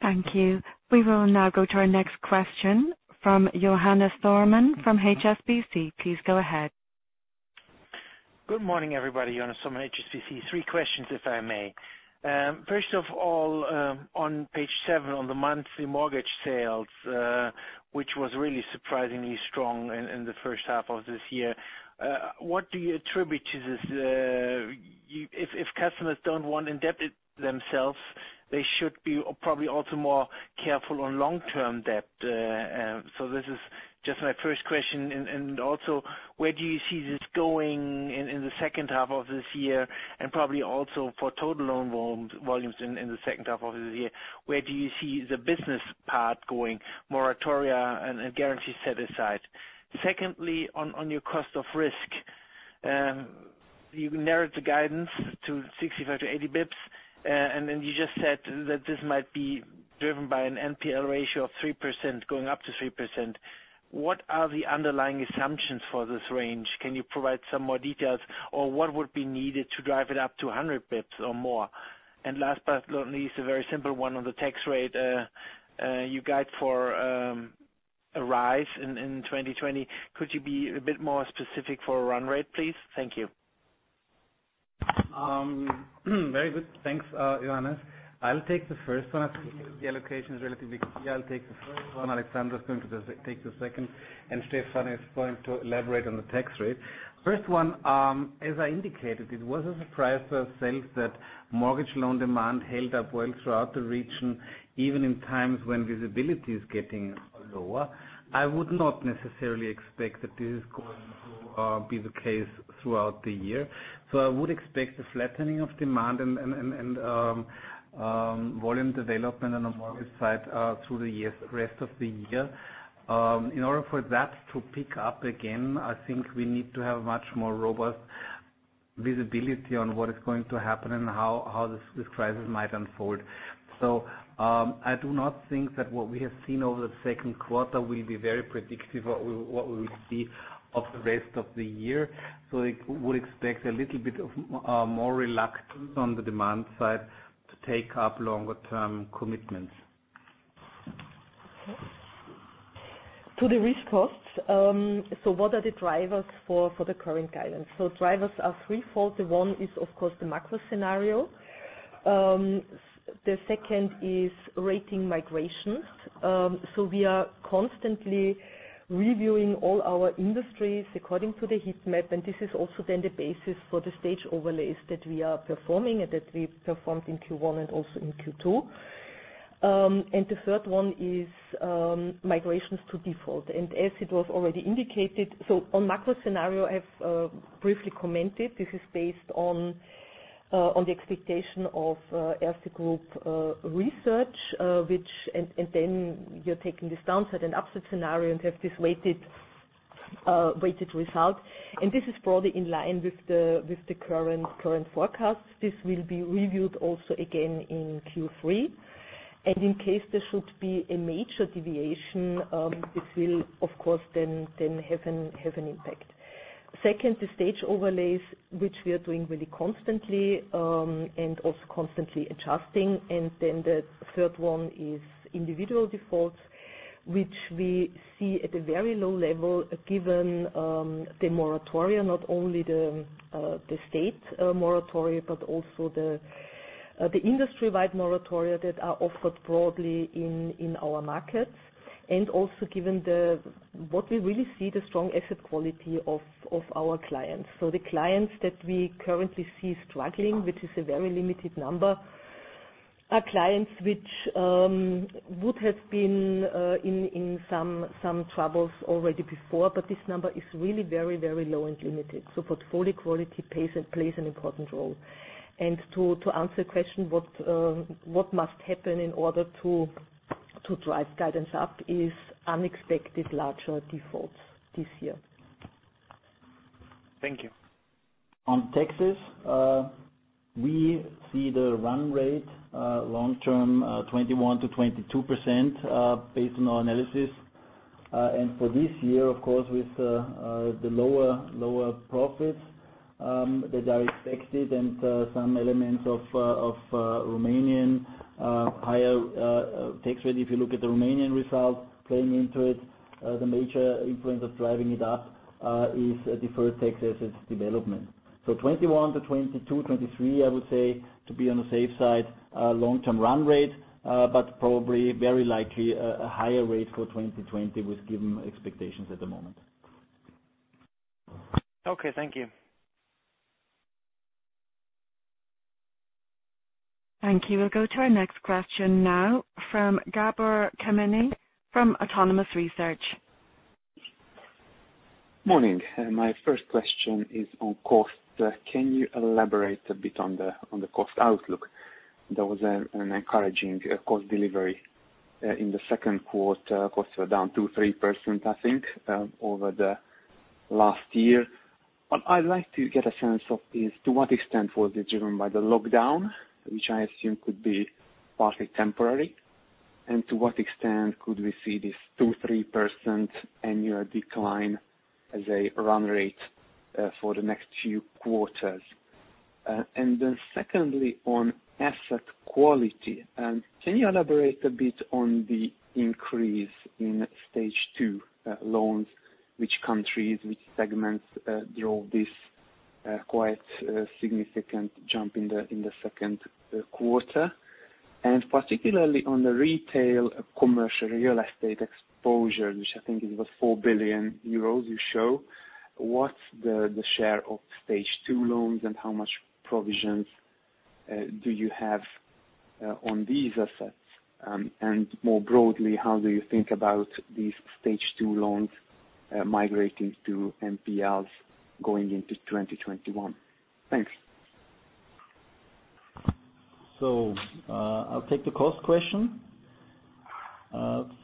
Thank you. We will now go to our next question from Johannes Thormann from HSBC. Please go ahead. Good morning, everybody. Johannes Thormann, HSBC. Three questions, if I may. First of all, on page seven on the monthly mortgage sales, which was really surprisingly strong in the first half of this year. What do you attribute to this? If customers don't want to indebt themselves, they should be probably also more careful on long-term debt. This is just my first question. Where do you see this going in the second half of this year and probably also for total loan volumes in the second half of this year? Where do you see the business part going, moratoria and guarantee set aside? Secondly, on your cost of risk. You narrowed the guidance to 65 to 80 basis points. You just said that this might be driven by an NPL ratio of 3%, going up to 3%. What are the underlying assumptions for this range? Can you provide some more details? What would be needed to drive it up to 100 basis points or more? Last but not least, a very simple one on the tax rate. You guide for a rise in 2020. Could you be a bit more specific for a run rate, please? Thank you. Very good. Thanks, Johannes. I'll take the first one. I think the allocation is relatively clear. I'll take the first one, Alexandra is going to take the second, and Stefan is going to elaborate on the tax rate. First one, as I indicated, it was a surprise for ourselves that mortgage loan demand held up well throughout the region, even in times when visibility is getting lower. I would not necessarily expect that this is going to be the case throughout the year. I would expect a flattening of demand and volume development on the mortgage side through the rest of the year. In order for that to pick up again, I think we need to have much more robust visibility on what is going to happen and how this crisis might unfold. I do not think that what we have seen over the second quarter will be very predictive of what we will see of the rest of the year. I would expect a little bit of more reluctance on the demand side to take up longer term commitments. To the risk costs. What are the drivers for the current guidance? Drivers are threefold. One is, of course, the macro scenario. The second is rating migrations. We are constantly reviewing all our industries according to the heat map, and this is also then the basis for the stage overlays that we are performing and that we performed in Q1 and also in Q2. The third one is migrations to default. As it was already indicated. On macro scenario I've briefly commented, this is based on the expectation of Erste Group research. Then you're taking this downside and upside scenario and have this weighted result. This is broadly in line with the current forecast. This will be reviewed also again in Q3. In case there should be a major deviation, this will of course then have an impact. The stage overlays, which we are doing really constantly, and also constantly adjusting. The third one is individual defaults, which we see at a very low level given the moratoria, not only the state moratoria, but also the industry-wide moratoria that are offered broadly in our markets. Given what we really see, the strong asset quality of our clients. The clients that we currently see struggling, which is a very limited number. Our clients, which would have been in some troubles already before, but this number is really very low and limited. Portfolio quality plays an important role. To answer your question, what must happen in order to drive guidance up is unexpected larger defaults this year. Thank you. On taxes, we see the run rate long-term, 21%-22%, based on our analysis. For this year, of course, with the lower profits that are expected and some elements of Romanian higher tax rate, if you look at the Romanian results playing into it, the major influence of driving it up is deferred tax assets development. 21%-22%, 23%, I would say, to be on the safe side, long-term run rate but probably very likely a higher rate for 2020 with given expectations at the moment. Okay, thank you. Thank you. We'll go to our next question now from Gabor Kemeny from Autonomous Research. Morning. My first question is on cost. Can you elaborate a bit on the cost outlook? There was an encouraging cost delivery in the second quarter. Costs were down 2%-3%, I think, over the last year. What I'd like to get a sense of is, to what extent was it driven by the lockdown, which I assume could be partly temporary, and to what extent could we see this 2%-3% annual decline as a run rate for the next few quarters? Secondly, on asset quality, can you elaborate a bit on the increase in Stage 2 loans, which countries, which segments drove this quite significant jump in the second quarter? Particularly on the retail commercial real estate exposure, which I think it was 4 billion euros you show, what's the share of Stage 2 loans and how much provisions do you have on these assets? More broadly, how do you think about these Stage 2 loans migrating to NPLs going into 2021? Thanks. I'll take the cost question.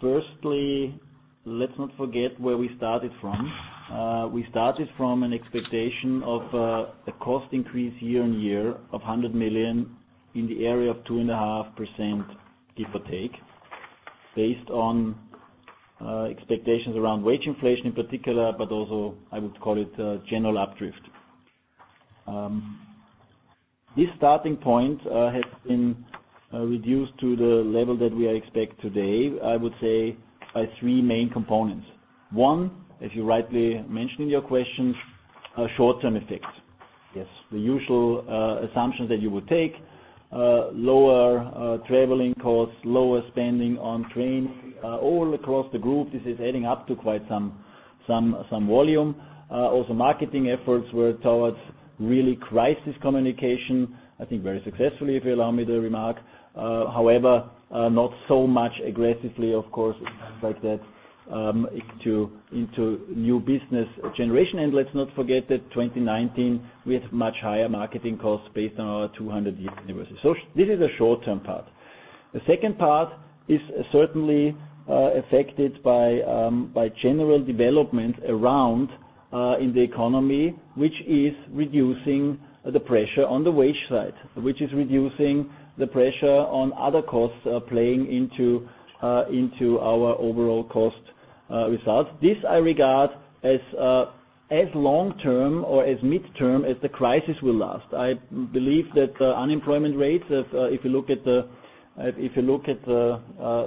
Firstly, let's not forget where we started from. We started from an expectation of a cost increase year-on-year of 100 million in the area of 2.5%, give or take, based on expectations around wage inflation in particular, but also I would call it a general up drift. This starting point has been reduced to the level that we expect today, I would say, by three main components. One, as you rightly mentioned in your question, short-term effects. Yes. The usual assumptions that you would take, lower traveling costs, lower spending on trains. All across the group, this is adding up to quite some volume. Also marketing efforts were towards really crisis communication, I think very successfully, if you allow me to remark. However, not so much aggressively, of course, like that into new business generation. Let's not forget that 2019, we had much higher marketing costs based on our 200 years anniversary. This is the short-term part. The second part is certainly affected by general development around in the economy, which is reducing the pressure on the wage side, which is reducing the pressure on other costs playing into our overall cost results. This I regard as long-term or as midterm as the crisis will last. I believe that unemployment rates, if you look at the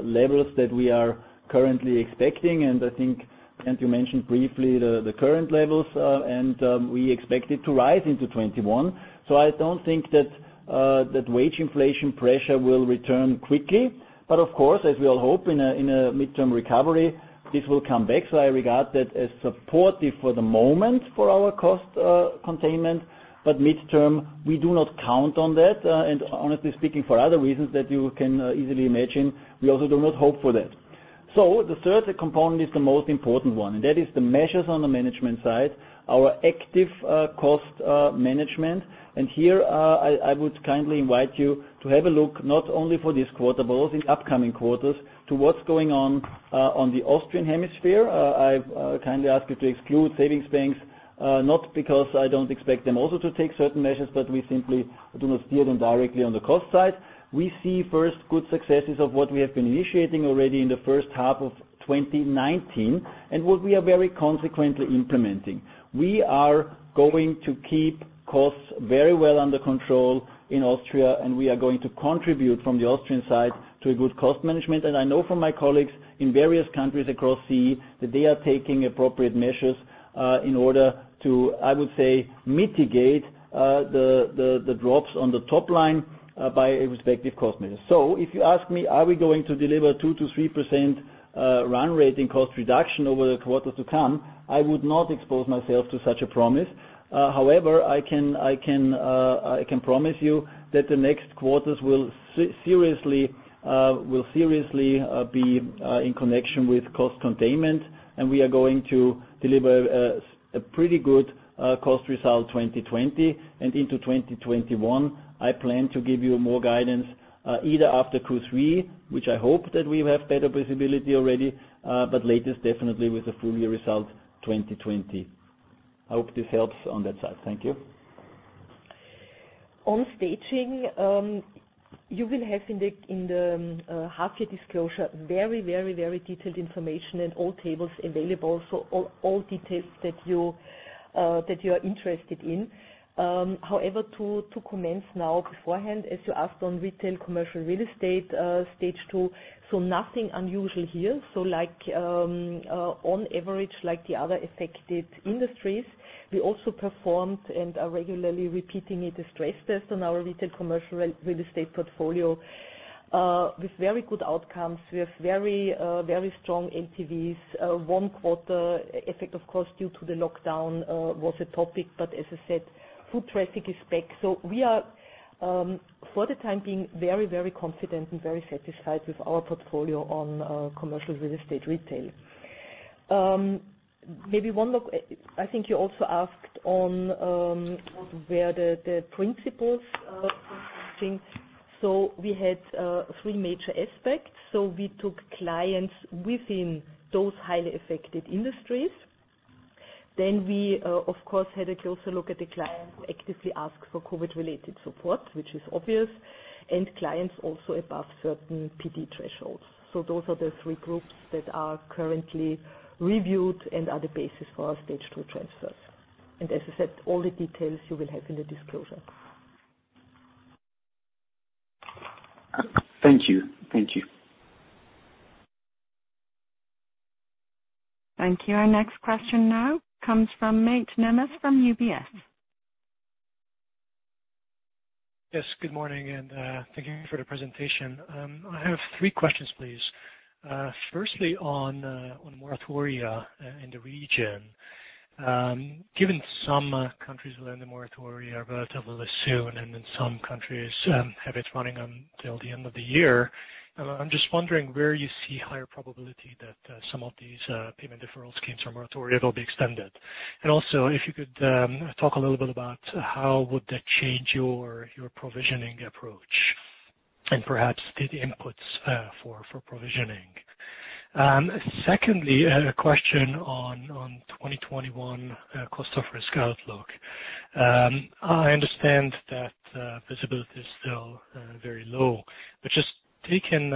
levels that we are currently expecting, and I think, and you mentioned briefly the current levels, and we expect it to rise into 2021. I don't think that wage inflation pressure will return quickly. Of course, as we all hope in a midterm recovery, this will come back. I regard that as supportive for the moment for our cost containment, but midterm, we do not count on that. Honestly speaking, for other reasons that you can easily imagine, we also do not hope for that. The third component is the most important one, and that is the measures on the management side, our active cost management. Here, I would kindly invite you to have a look, not only for this quarter, but also in upcoming quarters to what's going on the Austrian hemisphere. I kindly ask you to exclude savings banks, not because I don't expect them also to take certain measures, but we simply do not steer them directly on the cost side. We see first good successes of what we have been initiating already in the first half of 2019 and what we are very consequently implementing. We are going to keep costs very well under control in Austria, and we are going to contribute from the Austrian side to a good cost management. I know from my colleagues in various countries across CE that they are taking appropriate measures in order to, I would say, mitigate the drops on the top line by a respective cost measure. If you ask me, are we going to deliver 2%-3% run rate in cost reduction over the quarters to come, I would not expose myself to such a promise. I can promise you that the next quarters will seriously be in connection with cost containment, and we are going to deliver a pretty good cost result 2020 and into 2021. I plan to give you more guidance either after Q3, which I hope that we will have better visibility already, but latest definitely with the full year result 2020. I hope this helps on that side. Thank you. On staging, you will have in the half-year disclosure very detailed information and all tables available. All details that you are interested in. However, to commence now beforehand, as you asked on retail commercial real estate Stage 2, so nothing unusual here. On average, like the other affected industries, we also performed and are regularly repeating a distress test on our retail commercial real estate portfolio, with very good outcomes. We have very strong LTVs. One quarter effect, of course, due to the lockdown was a topic, but as I said, foot traffic is back. We are, for the time being, very confident and very satisfied with our portfolio on commercial real estate retail. I think you also asked on where the principles of things. We had three major aspects. We took clients within those highly affected industries. We, of course, had a closer look at the clients who actively asked for COVID related support, which is obvious, and clients also above certain PD thresholds. Those are the three groups that are currently reviewed and are the basis for our Stage 2 transfers. As I said, all the details you will have in the disclosure. Thank you. Thank you. Our next question now comes from Mate Nemes from UBS. Yes, good morning. Thank you for the presentation. I have three questions, please. Firstly, on moratoria in the region. Given some countries will end the moratoria relatively soon, some countries have it running on till the end of the year. I'm just wondering where you see higher probability that some of these payment deferral schemes or moratoria will be extended. If you could talk a little bit about how would that change your provisioning approach and perhaps the inputs for provisioning. Secondly, a question on 2021 cost of risk outlook. I understand that visibility is still very low, just taking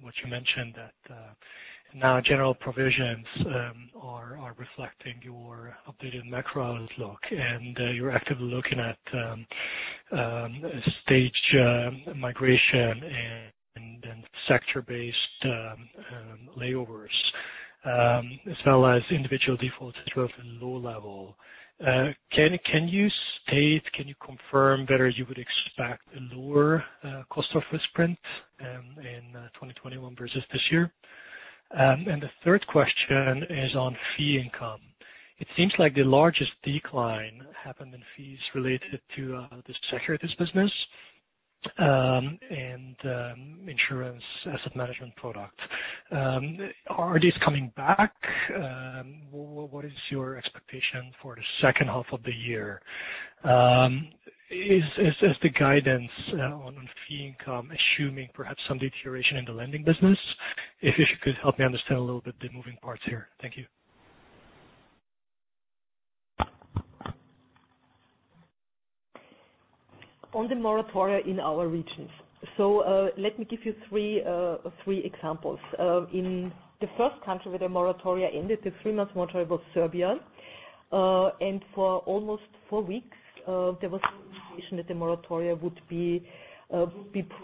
what you mentioned that now general provisions are reflecting your updated macro outlook and you're actively looking at stage migration, sector-based overlays as well as individual defaults that are of a low level. Can you state, can you confirm whether you would expect a lower cost of risk print in 2021 versus this year? The third question is on fee income. It seems like the largest decline happened in fees related to the securities business and insurance asset management product. Are these coming back? What is your expectation for the second half of the year? Is this the guidance on fee income, assuming perhaps some deterioration in the lending business? If you could help me understand a little bit the moving parts here. Thank you. On the moratoria in our regions. Let me give you three examples. In the first country where the moratoria ended, the three-month moratoria was Serbia. For almost four weeks, there was no indication that the moratoria would be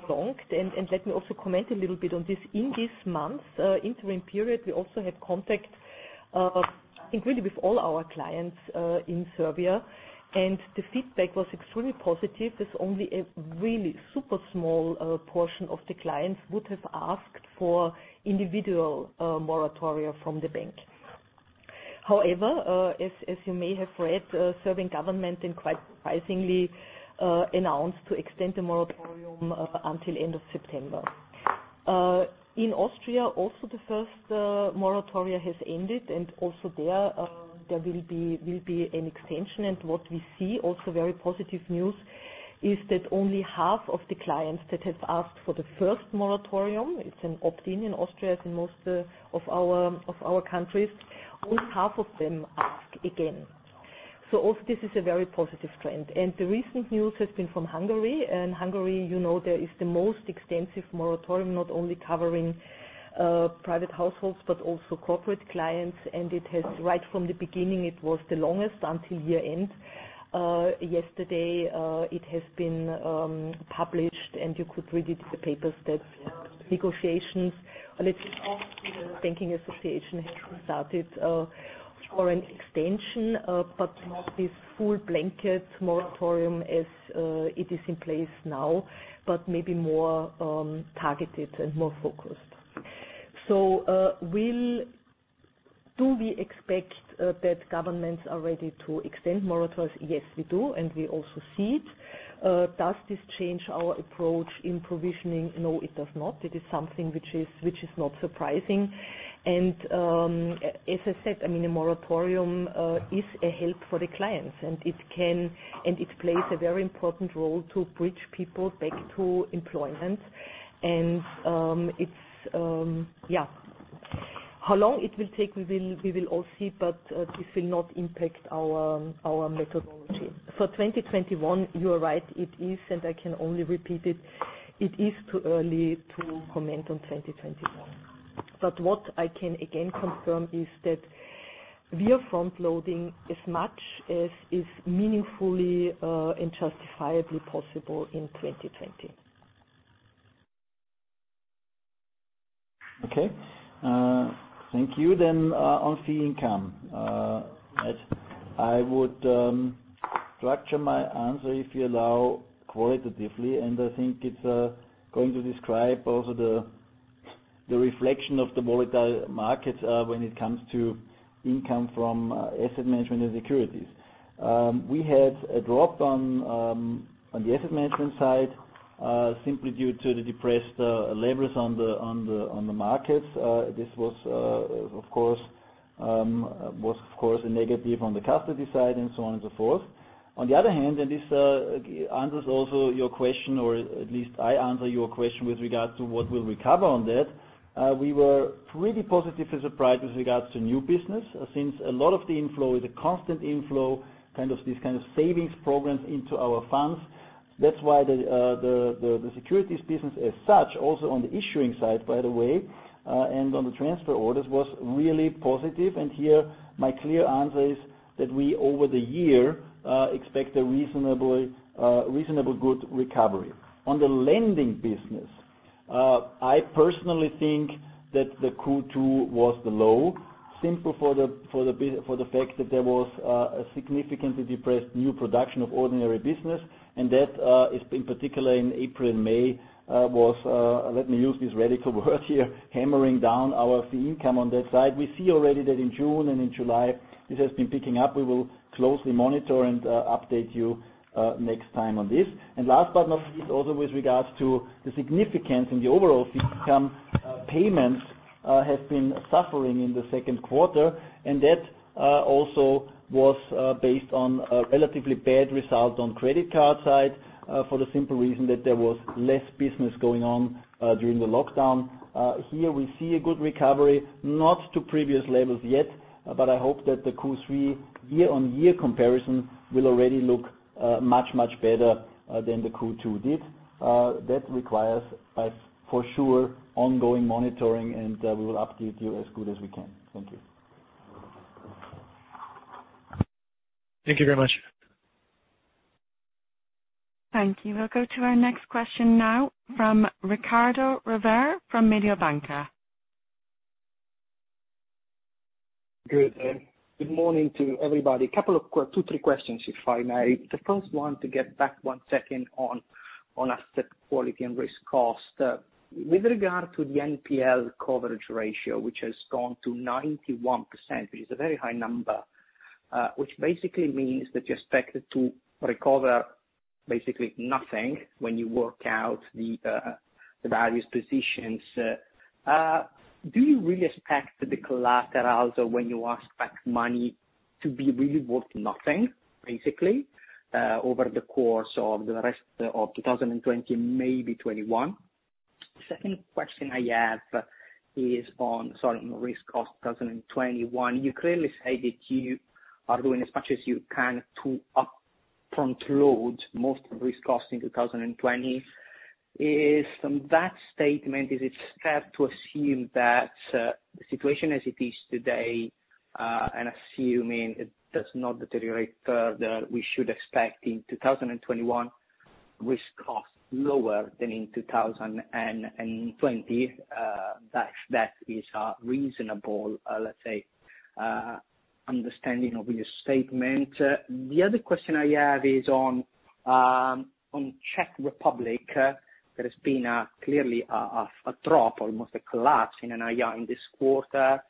prolonged. Let me also comment a little bit on this. In this month interim period, we also had contact, I think, really with all our clients in Serbia. The feedback was extremely positive, as only a really super small portion of the clients would have asked for individual moratoria from the bank. However, as you may have read, Serbian government quite surprisingly announced to extend the moratorium until end of September. In Austria also the first moratoria has ended. Also there will be an extension. What we see also very positive news is that only half of the clients that have asked for the first moratorium, it's an opt-in in Austria as in most of our countries, only half of them ask again. Also this is a very positive trend. The recent news has been from Hungary. Hungary, there is the most extensive moratorium, not only covering private households but also corporate clients. Right from the beginning, it was the longest until year-end. Yesterday it has been published and you could read it in the papers that negotiations, let's say, with the banking association has started for an extension. Not this full blanket moratorium as it is in place now, but maybe more targeted and more focused. Do we expect that governments are ready to extend moratoria? Yes, we do, and we also see it. Does this change our approach in provisioning? No, it does not. It is something which is not surprising. As I said, a moratorium is a help for the clients, and it plays a very important role to bridge people back to employment. How long it will take, we will all see, but this will not impact our methodology. For 2021, you are right. It is, and I can only repeat it is too early to comment on 2021. What I can, again, confirm is that we are front-loading as much as is meaningfully and justifiably possible in 2020. Okay. Thank you. On fee income. I would structure my answer, if you allow, qualitatively, and I think it's going to describe also the reflection of the volatile markets when it comes to income from asset management and securities. We had a drop on the asset management side simply due to the depressed levers on the markets. This was, of course, a negative on the custody side and so on and so forth. On the other hand, and this answers also your question, or at least I answer your question with regard to what we'll recover on that. We were really positively surprised with regards to new business, since a lot of the inflow is a constant inflow, this kind of savings programs into our funds. The securities business as such, also on the issuing side, by the way, and on the transfer orders, was really positive. Here, my clear answer is that we, over the year, expect a reasonably good recovery. On the lending business, I personally think that the Q2 was the low, simply for the fact that there was a significantly depressed new production of ordinary business. That is in particular in April and May was, let me use this radical word here, hammering down our fee income on that side. We see already that in June and in July, this has been picking up. We will closely monitor and update you next time on this. Last but not least, also with regards to the significance in the overall fee income payments have been suffering in the second quarter, and that also was based on a relatively bad result on credit card side for the simple reason that there was less business going on during the lockdown. Here we see a good recovery, not to previous levels yet, but I hope that the Q3 year-on-year comparison will already look much, much better than the Q2 did. That requires, for sure, ongoing monitoring, and we will update you as good as we can. Thank you. Thank you very much. Thank you. We'll go to our next question now from Riccardo Rovere from Mediobanca. Good morning to everybody. Two, three questions, if I may. The first one to get back one second on asset quality and risk cost. With regard to the NPL coverage ratio, which has gone to 91%, which is a very high number, which basically means that you expect to recover basically nothing when you work out the various positions. Do you really expect the collaterals or when you ask back money to be really worth nothing, basically, over the course of the rest of 2020, maybe 2021? Second question I have is on, sorry, risk cost 2021. You clearly said that you are doing as much as you can to up front-load most risk cost in 2020. From that statement, is it fair to assume that the situation as it is today, and assuming it does not deteriorate further, we should expect in 2021 risk costs lower than in 2020? That is a reasonable, let's say, understanding of your statement. The other question I have is on Czech Republic. There has been clearly a drop, almost a collapse in an NII in this quarter.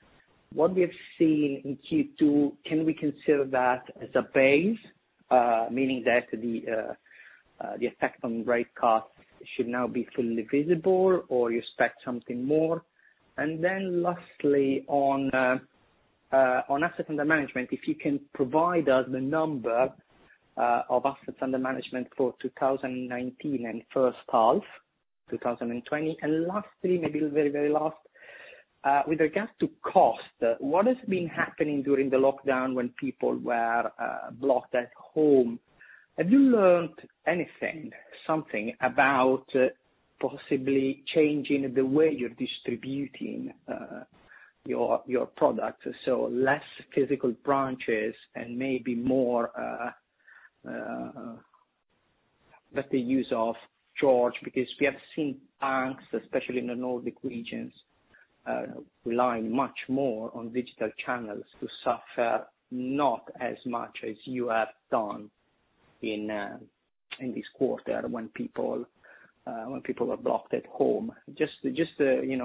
What we have seen in Q2, can we consider that as a base? Meaning that the effect on rate cost should now be fully visible, or you expect something more? Lastly, on assets under management, if you can provide us the number of assets under management for 2019 and first half 2020. Lastly, maybe the very, very last, with regards to cost, what has been happening during the lockdown when people were blocked at home? Have you learned anything, something, about possibly changing the way you're distributing your product? Less physical branches and maybe more better use of George, because we have seen banks, especially in the Nordic regions, relying much more on digital channels to suffer not as much as you have done in this quarter when people were blocked at home. Just to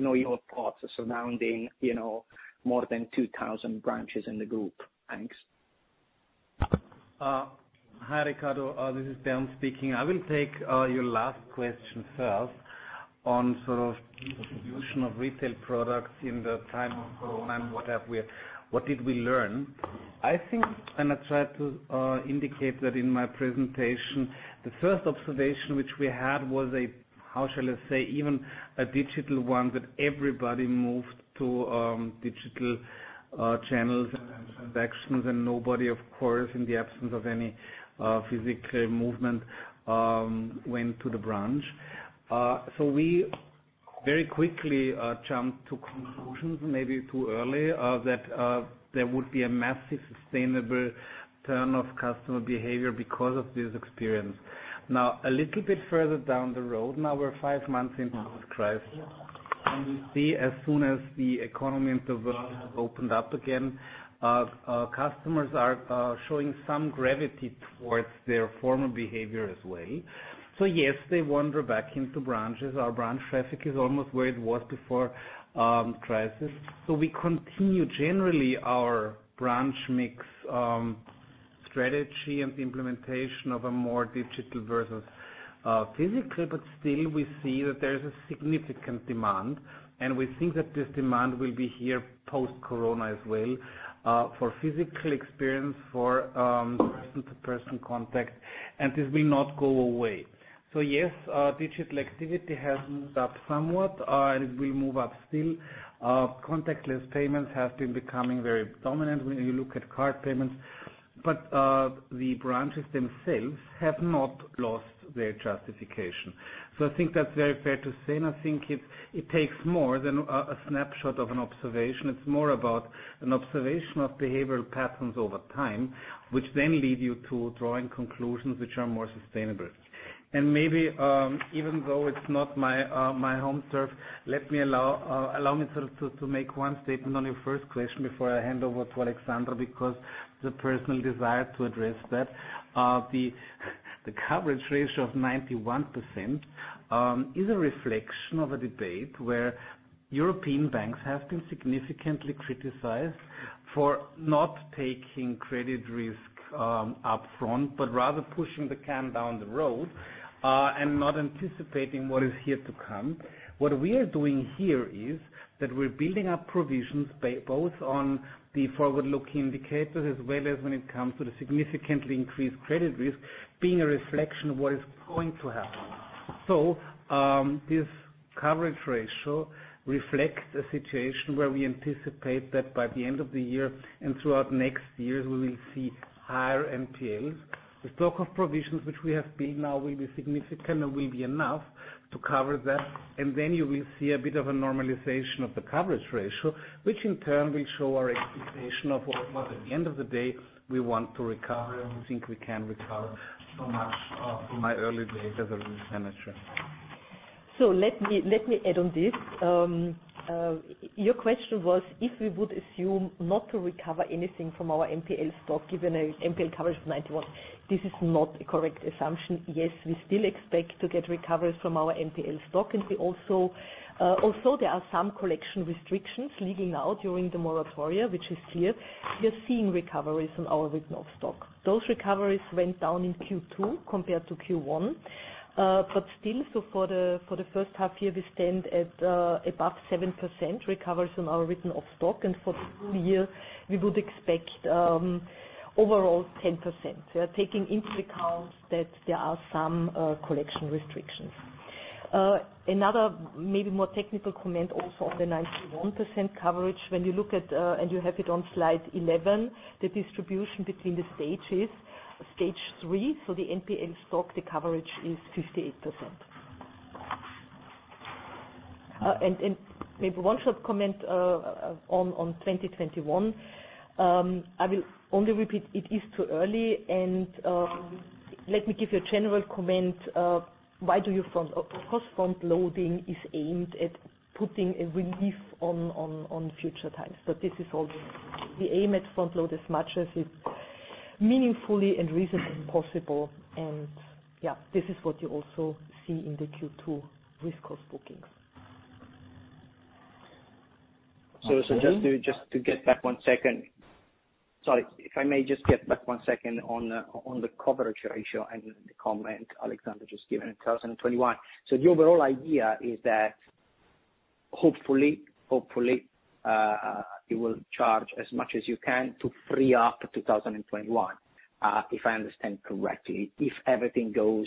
know your thoughts surrounding more than 2,000 branches in the group. Thanks. Hi, Riccardo. This is Bernd speaking. I will take your last question first on the distribution of retail products in the time of COVID and what did we learn. I think, I tried to indicate that in my presentation, the first observation which we had was, how shall I say, even a digital one, that everybody moved to digital channels and transactions, nobody, of course, in the absence of any physical movement, went to the branch. We very quickly jumped to conclusions, maybe too early, that there would be a massive sustainable turn of customer behavior because of this experience. A little bit further down the road, now we're five months into this crisis, we see as soon as the economy in the world has opened up again, customers are showing some gravity towards their former behavior as well. Yes, they wander back into branches. Our branch traffic is almost where it was before crisis. We continue, generally, our branch mix strategy and the implementation of a more digital versus physical, but still, we see that there is a significant demand. We think that this demand will be here post-Corona as well for physical experience, for person-to-person contact, and this will not go away. Yes, digital activity has moved up somewhat, and it will move up still. Contactless payments have been becoming very dominant when you look at card payments, but the branches themselves have not lost their justification. I think that's very fair to say, and I think it takes more than a snapshot of an observation. It's more about an observation of behavioral patterns over time, which then lead you to drawing conclusions which are more sustainable. Maybe, even though it's not my home turf, allow me to make one statement on your first question before I hand over to Alexandra because the personal desire to address that. The coverage ratio of 91% is a reflection of a debate where European banks have been significantly criticized for not taking credit risk upfront, but rather pushing the can down the road and not anticipating what is here to come. What we are doing here is that we're building up provisions both on the forward-looking indicators as well as when it comes to the significantly increased credit risk being a reflection of what is going to happen. This coverage ratio reflects a situation where we anticipate that by the end of the year and throughout next year, we will see higher NPLs. The stock of provisions which we have built now will be significant and will be enough to cover that. You will see a bit of a normalization of the coverage ratio, which in turn will show our expectation of what, at the end of the day, we want to recover, and we think we can recover so much from my early days as a risk manager. Let me add on this. Your question was if we would assume not to recover anything from our NPL stock given a NPL coverage of 91%. This is not a correct assumption. Yes, we still expect to get recovery from our NPL stock. There are some collection restrictions leading now during the moratoria, which is clear. We are seeing recoveries on our written-off stock. Those recoveries went down in Q2 compared to Q1. Still, for the first half year, we stand at above 7% recovery from our written-off stock, and for the full year, we would expect overall 10%, taking into account that there are some collection restrictions. Another maybe more technical comment also on the 91% coverage, when you look at, and you have it on slide 11, the distribution between the stages. Stage 3, so the NPL stock, the coverage is 58%. Maybe one short comment on 2021. I will only repeat, it is too early and let me give you a general comment. Of course, front-loading is aimed at putting a relief on future times. This is all the aim at front-load as much as is meaningfully and reasonably possible, and this is what you also see in the Q2 risk cost bookings. Just to get back one second, sorry, if I may just get back one second on the coverage ratio and the comment Alexandra just given in 2021. The overall idea is that hopefully you will charge as much as you can to free up 2021, if I understand correctly, if everything goes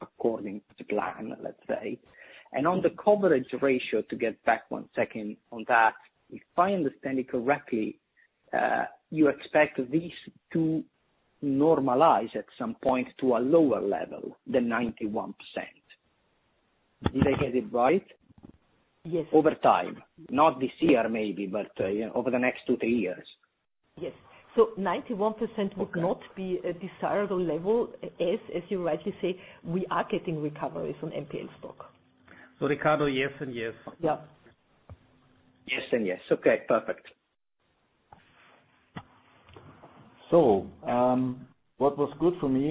according to plan, let's say. On the coverage ratio, to get back one second on that, if I understand it correctly you expect this to normalize at some point to a lower level than 91%. Did I get it right? Yes. Over time. Not this year maybe, but over the next two, three years. Yes. 91% would not be a desirable level, as you rightly say, we are getting recoveries on NPL stock. Riccardo, yes and yes. Yeah. Yes and yes. Okay, perfect. What was good for me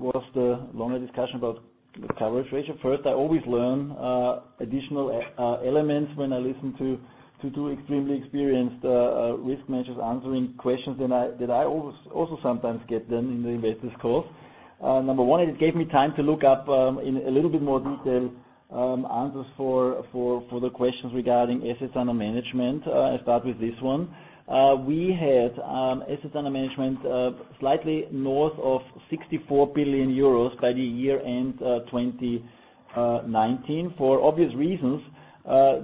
was the longer discussion about the coverage ratio. First, I always learn additional elements when I listen to two extremely experienced risk managers answering questions that I also sometimes get them in the investors calls. Number one, it gave me time to look up in a little bit more detail answers for the questions regarding assets under management. I start with this one. We had assets under management slightly north of 64 billion euros by the year-end 2019. For obvious reasons,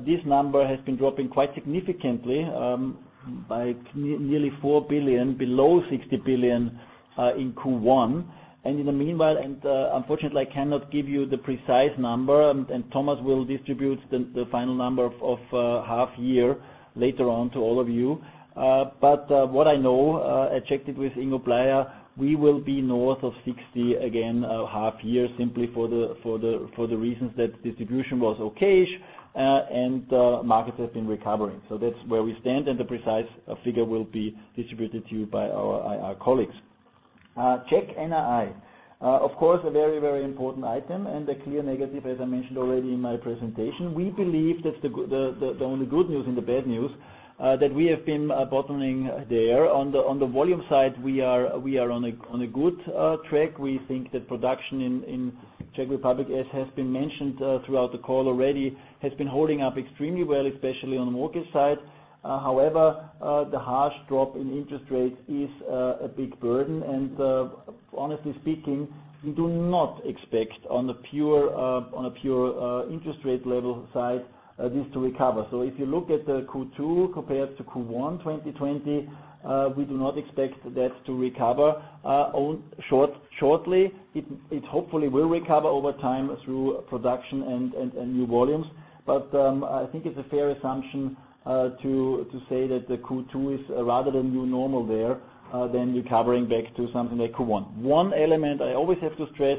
this number has been dropping quite significantly by nearly 4 billion below 60 billion in Q1. In the meanwhile, unfortunately, I cannot give you the precise number. Thomas will distribute the final number of half year later on to all of you. What I know, I checked it with Ingo Bleier, we will be north of 60 again half year simply for the reasons that distribution was okay-ish. Markets have been recovering. That's where we stand. The precise figure will be distributed to you by our colleagues. Czech NII. Of course, a very, very important item and a clear negative, as I mentioned already in my presentation. We believe that the only good news in the bad news, that we have been bottoming there. On the volume side, we are on a good track. We think that production in Czech Republic, as has been mentioned throughout the call already, has been holding up extremely well, especially on the mortgage side. I think it's a fair assumption to say that the Q2 is rather the new normal there than recovering back to something like Q1. One element I always have to stress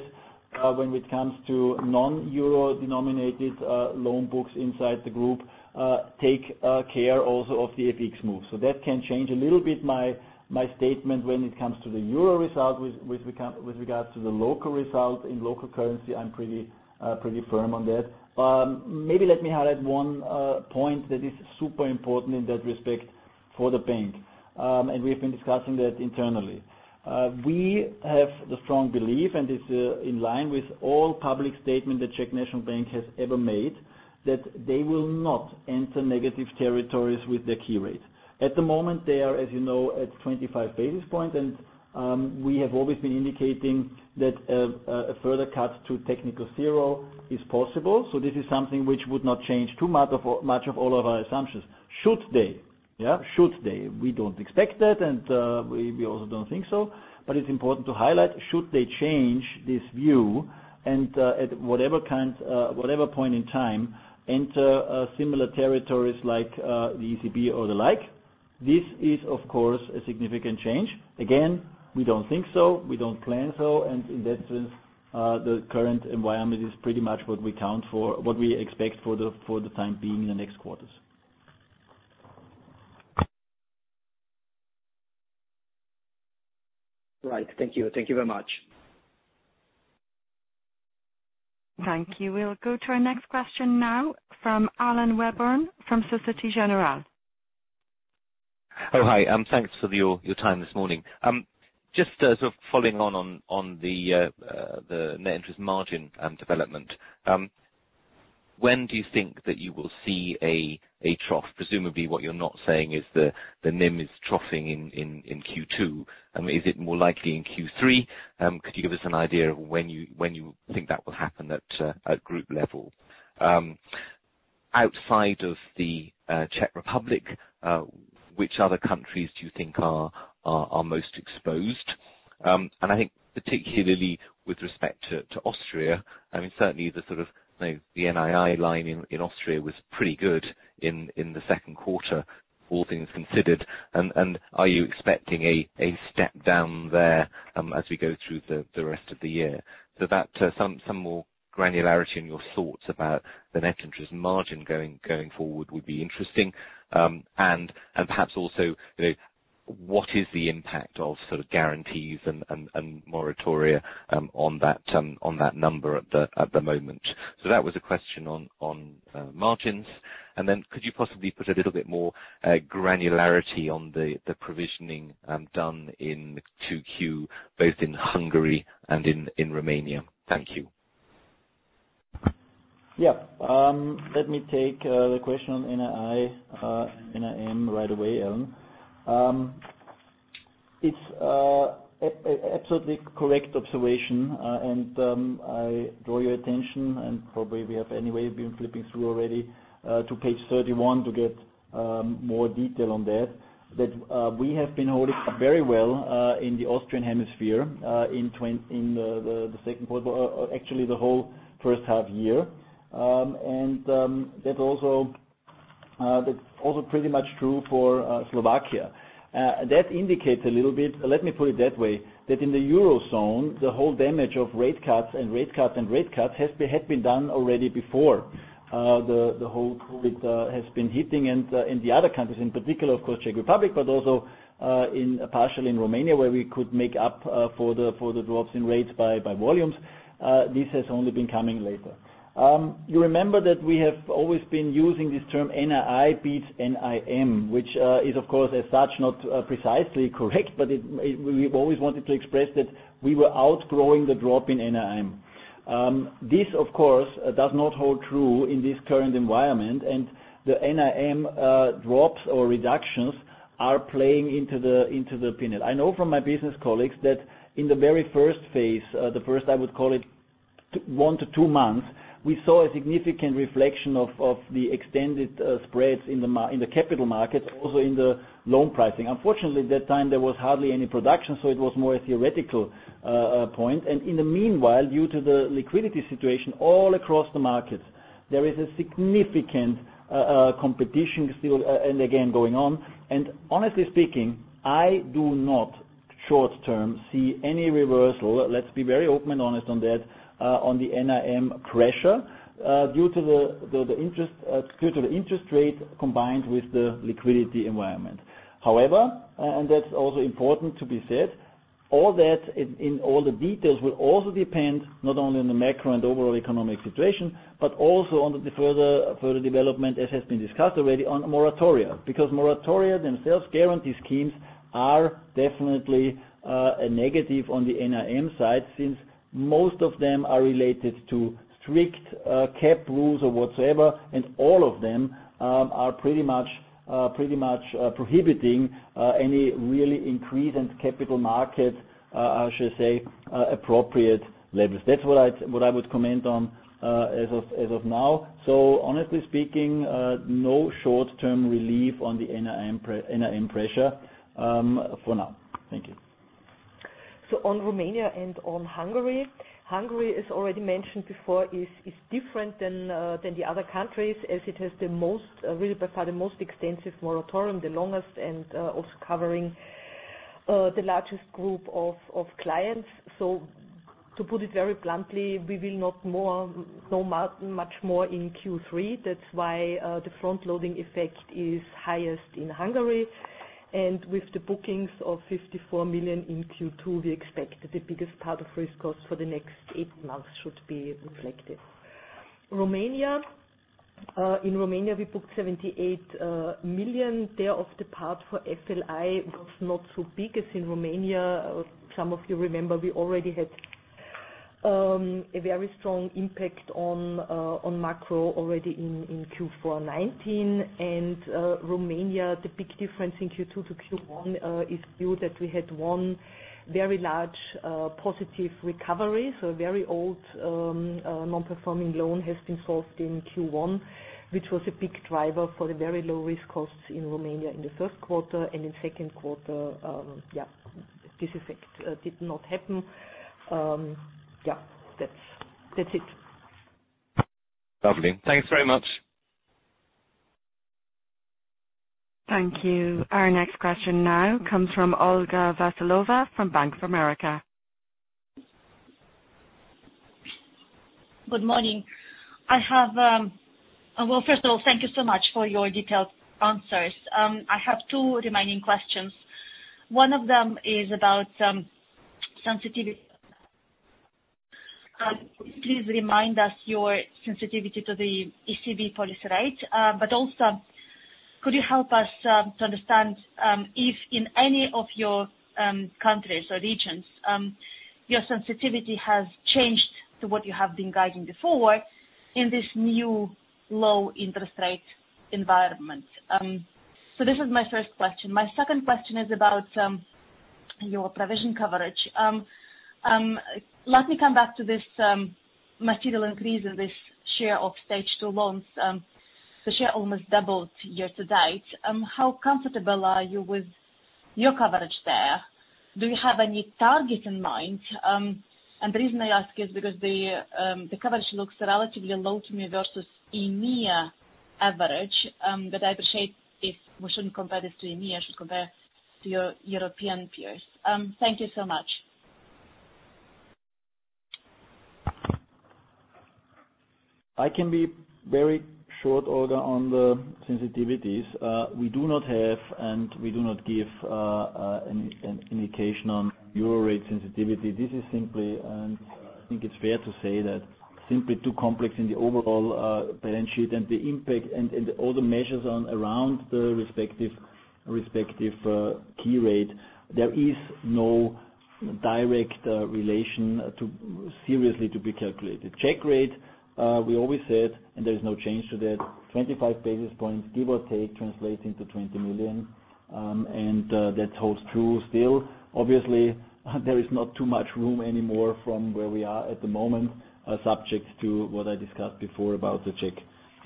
when it comes to non-euro-denominated loan books inside the group, take care also of the FX move. That can change a little bit my statement when it comes to the euro result with regards to the local result. In local currency, I'm pretty firm on that. Maybe let me highlight one point that is super important in that respect for the bank. We have been discussing that internally. We have the strong belief, and it's in line with all public statement the Czech National Bank has ever made, that they will not enter negative territories with their key rate. At the moment, they are, as you know, at 25 basis points, and we have always been indicating that a further cut to technical zero is possible. This is something which would not change too much of all of our assumptions. Should they, we don't expect that, and we also don't think so, but it's important to highlight should they change this view and at whatever point in time, enter similar territories like the ECB or the like, this is, of course, a significant change. Again, we don't think so. We don't plan so. In that sense, the current environment is pretty much what we expect for the time being in the next quarters. Right. Thank you. Thank you very much. Thank you. We'll go to our next question now from Alan Webborn from Societe Generale. Oh, hi. Thanks for your time this morning. Just following on the net interest margin development. When do you think that you will see a trough? Presumably, what you're not saying is the NIM is troughing in Q2. Is it more likely in Q3? Could you give us an idea of when you think that will happen at group level? Outside of the Czech Republic, which other countries do you think are most exposed? I think particularly with respect to Austria, certainly the NII line in Austria was pretty good in the second quarter, all things considered. Are you expecting a step down there as we go through the rest of the year? Some more granularity in your thoughts about the net interest margin going forward would be interesting. Perhaps also, what is the impact of guarantees and moratoria on that number at the moment? That was a question on margins. Could you possibly put a little bit more granularity on the provisioning done in 2Q, both in Hungary and in Romania. Thank you. Yeah. Let me take the question on NII, NIM right away, Alan. It's absolutely correct observation, and I draw your attention, and probably we have anyway been flipping through already to page 31 to get more detail on that we have been holding up very well in the Austrian hemisphere in the second quarter, actually the whole first half year. That's also pretty much true for Slovakia. That indicates a little bit, let me put it that way, that in the Eurozone, the whole damage of rate cuts and rate cuts and rate cuts had been done already before the whole COVID has been hitting in the other countries, in particular, of course, Czech Republic, but also partially in Romania, where we could make up for the drops in rates by volumes. This has only been coming later. You remember that we have always been using this term NII beats NIM, which is, of course, as such, not precisely correct, but we've always wanted to express that we were outgrowing the drop in NIM. This, of course, does not hold true in this current environment, and the NIM drops or reductions are playing into the P&L. I know from my business colleagues that in the very first phase, the first, I would call it one to two months, we saw a significant reflection of the extended spreads in the capital markets, also in the loan pricing. Unfortunately, at that time there was hardly any production, so it was more a theoretical point. In the meanwhile, due to the liquidity situation all across the markets, there is a significant competition still and again going on. Honestly speaking, I do not short-term see any reversal, let's be very open and honest on that, on the NIM pressure due to the interest rate combined with the liquidity environment. However, that's also important to be said, all that in all the details will also depend not only on the macro and overall economic situation, but also on the further development, as has been discussed already, on moratoria. Moratoria themselves, guarantee schemes are definitely a negative on the NIM side since most of them are related to strict cap rules or whatsoever, and all of them are pretty much prohibiting any really increase in capital markets, I should say, appropriate levels. That's what I would comment on as of now. Honestly speaking, no short-term relief on the NIM pressure for now. Thank you. On Romania and on Hungary. Hungary, as already mentioned before, is different than the other countries, as it has the most extensive moratorium, the longest, and also covering the largest group of clients. To put it very bluntly, we will not know much more in Q3. That's why the front-loading effect is highest in Hungary. With the bookings of 54 million in Q2, we expect the biggest part of risk costs for the next eight months should be reflected. Romania. In Romania, we booked 78 million. There, of the part for FLI was not so big as in Romania, some of you remember we already had a very strong impact on macro already in Q4 2019. Romania, the big difference in Q2 to Q1 is due that we had one very large positive recovery. A very old non-performing loan has been solved in Q1, which was a big driver for the very low-risk costs in Romania in the first quarter, and in the second quarter, this effect did not happen. Yeah, that's it. Lovely. Thanks very much. Thank you. Our next question now comes from Olga Veselova of Bank of America. Good morning. First of all, thank you so much for your detailed answers. I have two remaining questions. One of them is about sensitivity. Please remind us your sensitivity to the ECB policy rate. Also, could you help us to understand if in any of your countries or regions your sensitivity has changed to what you have been guiding before in this new low-interest-rate environment? This is my first question. My second question is about your provision coverage. Let me come back to this material increase in this share of Stage 2 loans. The share almost doubled year to date. How comfortable are you with your coverage there? Do you have any targets in mind? The reason I ask is because the coverage looks relatively low to me versus EMEA average. I appreciate if we shouldn't compare this to EMEA, I should compare to your European peers. Thank you so much. I can be very short, Olga, on the sensitivities. We do not have, and we do not give an indication on EUR rate sensitivity. This is simply, and I think it's fair to say that simply too complex in the overall balance sheet and the impact and all the measures on around the respective key rate. There is no direct relation seriously to be calculated. Czech rate, we always said, and there is no change to that, 25 basis points, give or take, translates into 20 million. That holds true still. Obviously, there is not too much room anymore from where we are at the moment, subject to what I discussed before about the Czech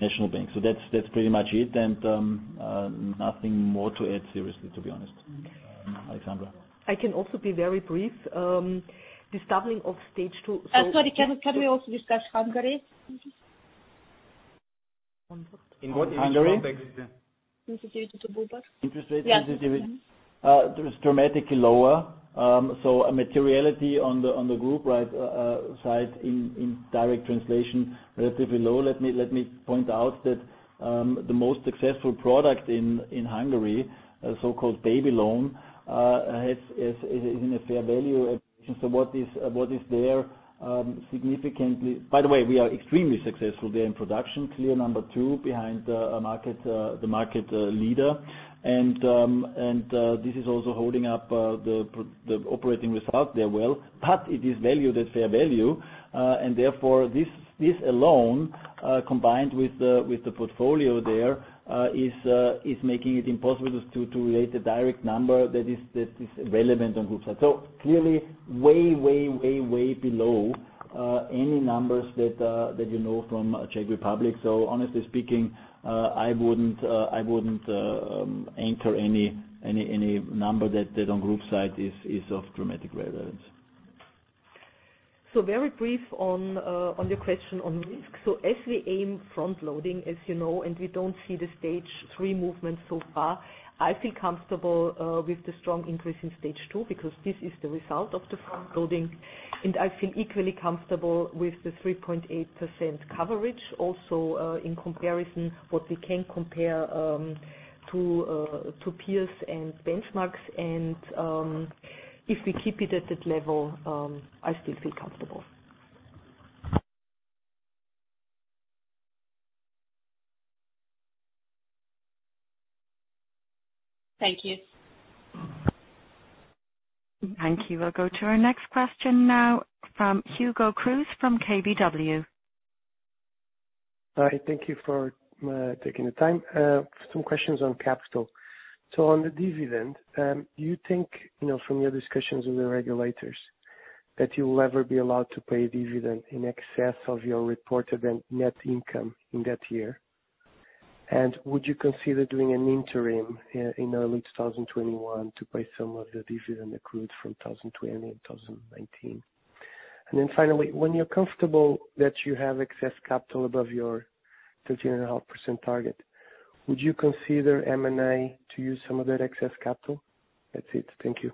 National Bank. That's pretty much it and nothing more to add seriously, to be honest. Alexandra. I can also be very brief. This doubling of Stage 2 Sorry, can we also discuss Hungary? In what area? In sensitivity to Group. Interest rate sensitivity? Yes. There is dramatically lower. A materiality on the Group side in direct translation, relatively low. Let me point out that the most successful product in Hungary, so-called baby loan, is in a fair value. By the way, we are extremely successful there in production, clear number two behind the market leader. This is also holding up the operating result there well, but it is valued at fair value. Therefore this alone, combined with the portfolio there is making it impossible to relate a direct number that is relevant on Group side. Clearly way below any numbers that you know from Czech Republic. Honestly speaking, I wouldn't enter any number that on Group side is of dramatic relevance. Very brief on your question on risk. As we aim front-loading, as you know, and we don't see the Stage 3 movement so far, I feel comfortable with the strong increase in Stage 2 because this is the result of the front-loading, and I feel equally comfortable with the 3.8% coverage also in comparison what we can compare to peers and benchmarks. If we keep it at that level, I still feel comfortable. Thank you. Thank you. We'll go to our next question now from Hugo Cruz from KBW. Hi, thank you for taking the time. Some questions on capital. On the dividend, do you think, from your discussions with the regulators, that you will ever be allowed to pay a dividend in excess of your reported net income in that year? Would you consider doing an interim in early 2021 to pay some of the dividend accrued from 2020 and 2019? Finally, when you're comfortable that you have excess capital above your 13.5% target, would you consider M&A to use some of that excess capital? That's it. Thank you.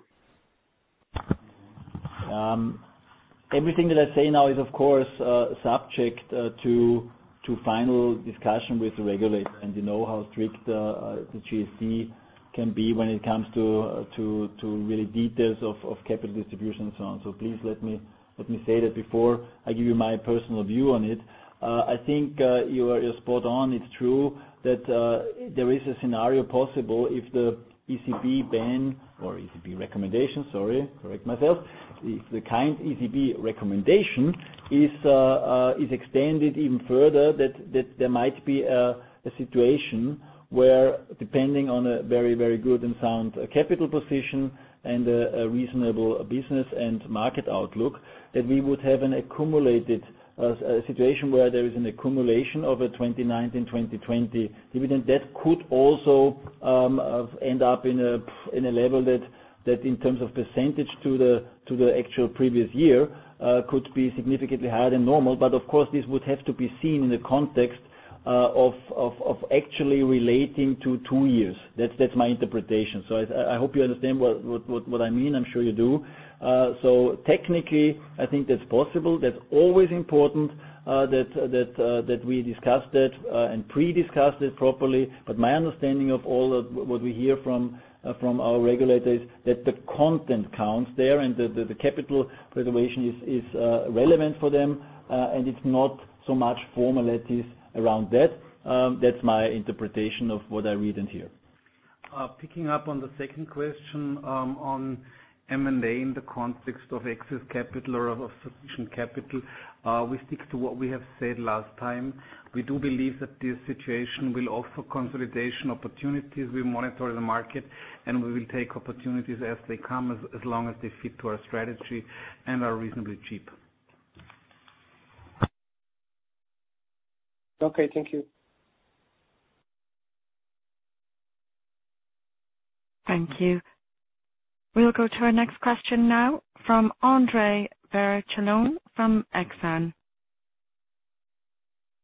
Everything that I say now is, of course, subject to final discussion with the regulator. You know how strict the ECB can be when it comes to really details of capital distribution and so on. Please let me say that before I give you my personal view on it. I think you're spot on. It's true that there is a scenario possible if the ECB ban or ECB recommendation, sorry, correct myself. If the ECB recommendation is extended even further, that there might be a situation where depending on a very good and sound capital position and a reasonable business and market outlook, that we would have an accumulated situation where there is an accumulation over 2019, 2020 dividend that could also end up in a level that in terms of percentage to the actual previous year could be significantly higher than normal. Of course, this would have to be seen in the context of actually relating to two years. That's my interpretation. I hope you understand what I mean. I'm sure you do. Technically, I think that's possible. That's always important that we discuss that and pre-discuss it properly. My understanding of all of what we hear from our regulators, that the content counts there and the capital preservation is relevant for them. It's not so much formalities around that. That's my interpretation of what I read and hear. Picking up on the second question on M&A in the context of excess capital or of sufficient capital. We stick to what we have said last time. We do believe that this situation will offer consolidation opportunities. We monitor the market, and we will take opportunities as they come, as long as they fit to our strategy and are reasonably cheap. Okay. Thank you. Thank you. We'll go to our next question now from Andrea Vercellone from Exane.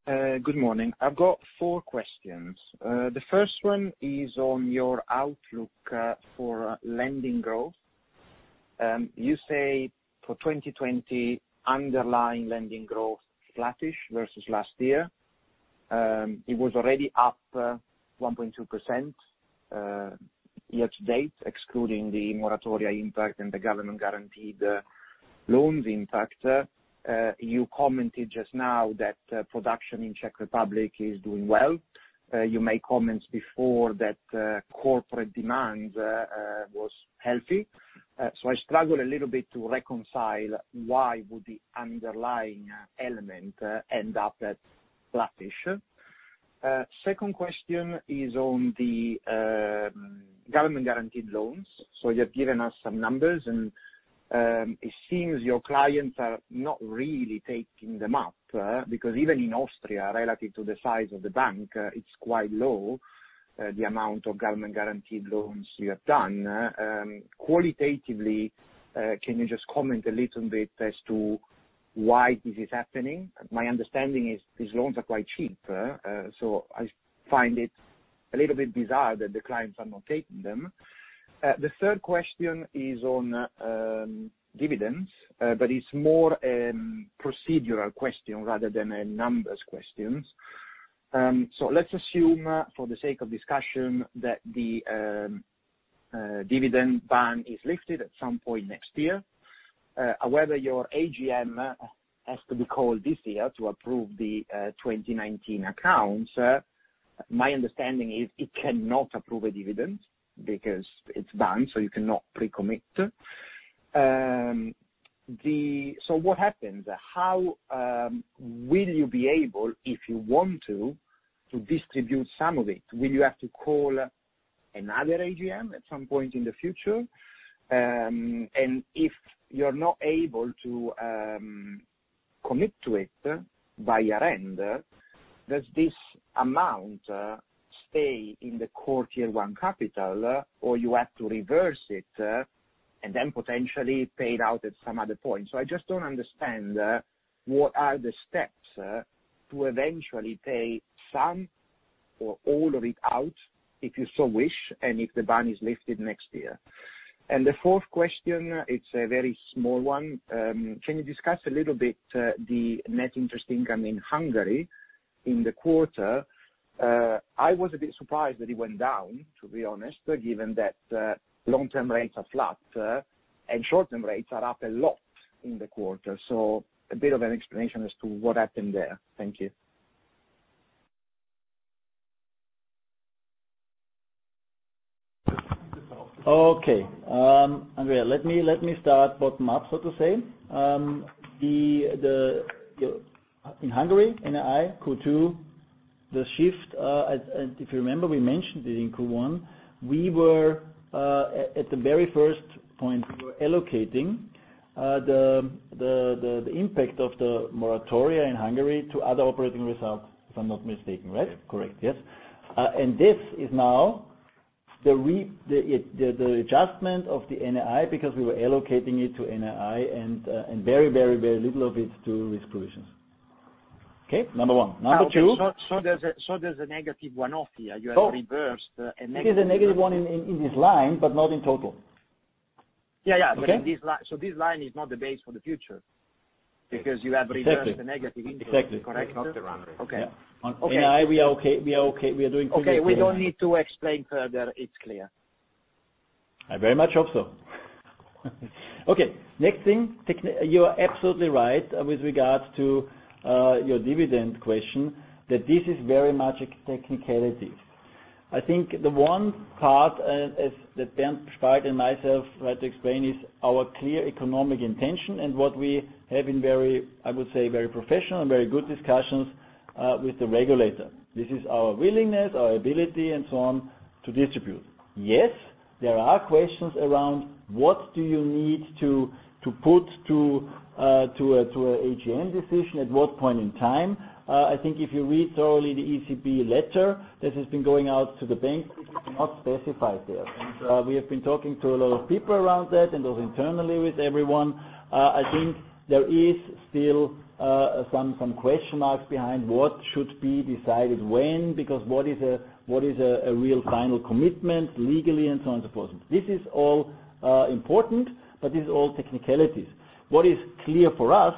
Good morning. I've got four questions. The first one is on your outlook for lending growth. You say for 2020, underlying lending growth flattish versus last year. It was already up 1.2% year to date, excluding the moratoria impact and the government-guaranteed loans impact. You commented just now that production in Czech Republic is doing well. You made comments before that corporate demand was healthy. I struggle a little bit to reconcile why would the underlying element end up at flattish. Second question is on the government-guaranteed loans. You've given us some numbers, and it seems your clients are not really taking them up because even in Austria, relative to the size of the bank, it's quite low, the amount of government-guaranteed loans you have done. Qualitatively, can you just comment a little bit as to why this is happening? My understanding is these loans are quite cheap. I find it a little bit bizarre that the clients are not taking them. The third question is on dividends, but it's more a procedural question rather than a numbers question. Let's assume for the sake of discussion that the dividend ban is lifted at some point next year. Whether your AGM has to be called this year to approve the 2019 accounts, my understanding is it cannot approve a dividend because it's banned, so you cannot pre-commit. What happens? How will you be able, if you want to distribute some of it? Will you have to call another AGM at some point in the future? If you're not able to commit to it by year-end, does this amount stay in the core tier one capital, or you have to reverse it, and then potentially pay it out at some other point? I just don't understand what are the steps to eventually pay some or all of it out if you so wish and if the ban is lifted next year. The fourth question, it's a very small one. Can you discuss a little bit the net interest income in Hungary in the quarter? I was a bit surprised that it went down, to be honest, given that long-term rates are flat and short-term rates are up a lot in the quarter. A bit of an explanation as to what happened there. Thank you. Okay. Andrea, let me start bottom-up, so to say. In Hungary, NII Q2, the shift, if you remember, we mentioned it in Q1, we were at the very first point, we were allocating the impact of the moratoria in Hungary to other operating results, if I'm not mistaken, right? Yes. Correct. Yes. This is now the adjustment of the NII because we were allocating it to NII and very little of it to risk provisions. Okay, number one. Number two There's a negative one-off here. It is a negative one in this line, but not in total. Yeah. Okay. This line is not the base for the future because you have reversed. Exactly the negative interest, correct? Exactly. Not the run rate. Okay. On NII, we are okay. Okay. We don't need to explain further. It's clear. I very much hope so. Okay, next thing. You are absolutely right with regards to your dividend question that this is very much a technicality. I think the one part, as Bernd Spalt and myself tried to explain, is our clear economic intention and what we have in very, I would say, very professional and very good discussions with the regulator. This is our willingness, our ability, and so on, to distribute. Yes, there are questions around what do you need to put to an AGM decision, at what point in time. I think if you read thoroughly the ECB letter that has been going out to the banks, it's not specified there. We have been talking to a lot of people around that and also internally with everyone. I think there is still some question marks behind what should be decided when, because what is a real final commitment legally, and so on, so forth. This is all important. This is all technicalities. What is clear for us,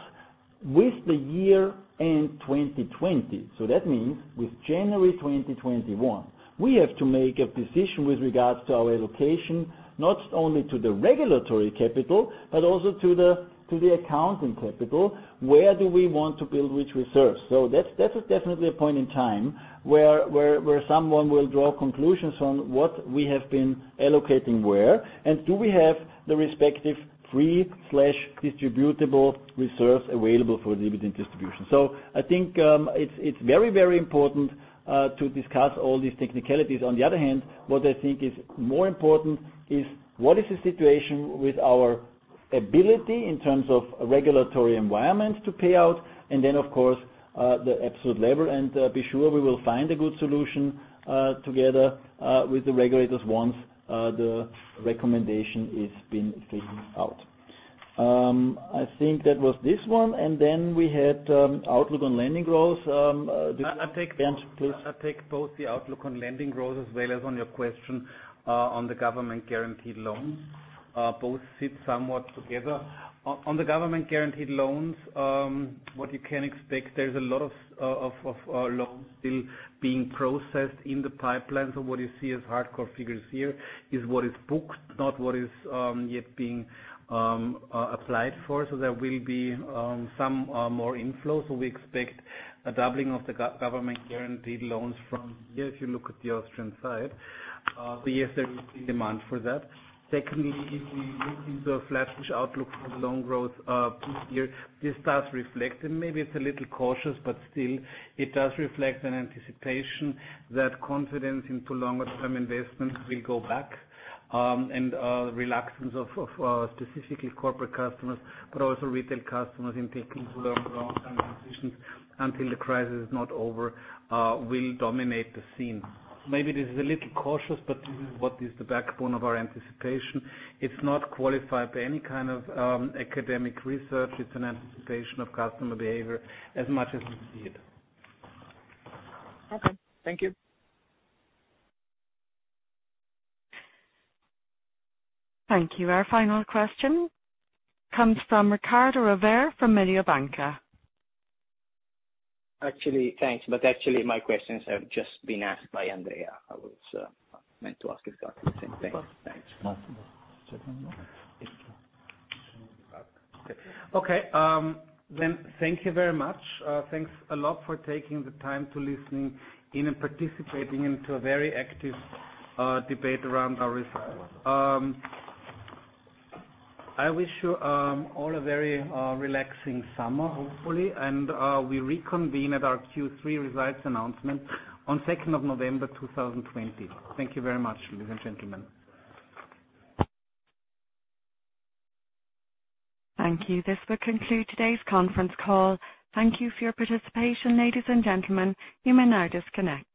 with the year-end 2020, so that means with January 2021, we have to make a decision with regards to our allocation, not only to the regulatory capital but also to the accounting capital, where do we want to build which reserves. That is definitely a point in time where someone will draw conclusions on what we have been allocating where, and do we have the respective free/distributable reserves available for dividend distribution. I think it's very, very important to discuss all these technicalities. On the other hand, what I think is more important is what is the situation with our ability in terms of regulatory environment to pay out, and then, of course, the absolute level. Be sure we will find a good solution together with the regulators once the recommendation has been figured out. I think that was this one. Then we had outlook on lending growth. Bernd, please. I take both the outlook on lending growth as well as on your question on the government-guaranteed loans. Both sit somewhat together. On the government-guaranteed loans, what you can expect, there's a lot of loans still being processed in the pipeline. What you see as hardcore figures here is what is booked, not what is yet being applied for. There will be some more inflows. We expect a doubling of the government-guaranteed loans from here if you look at the Austrian side. Yes, there is demand for that. Secondly, if we look into a flat-ish outlook for the loan growth this year, this does reflect, and maybe it's a little cautious, but still, it does reflect an anticipation that confidence into longer-term investments will go back and reluctance of specifically corporate customers, but also retail customers in taking longer-term decisions until the crisis is not over will dominate the scene. Maybe this is a little cautious, but this is what is the backbone of our anticipation. It's not qualified by any kind of academic research. It's an anticipation of customer behavior as much as we see it. Okay. Thank you. Thank you. Our final question comes from Riccardo Rovere from Mediobanca. Thanks. Actually my questions have just been asked by Andrea. I was meant to ask exactly the same thing. Thanks. Okay. Thank you very much. Thanks a lot for taking the time to listen in and participating into a very active debate around our results. I wish you all a very relaxing summer, hopefully, and we reconvene at our Q3 results announcement on 2nd of November 2020. Thank you very much, ladies and gentlemen. Thank you. This will conclude today's conference call. Thank you for your participation, ladies and gentlemen. You may now disconnect.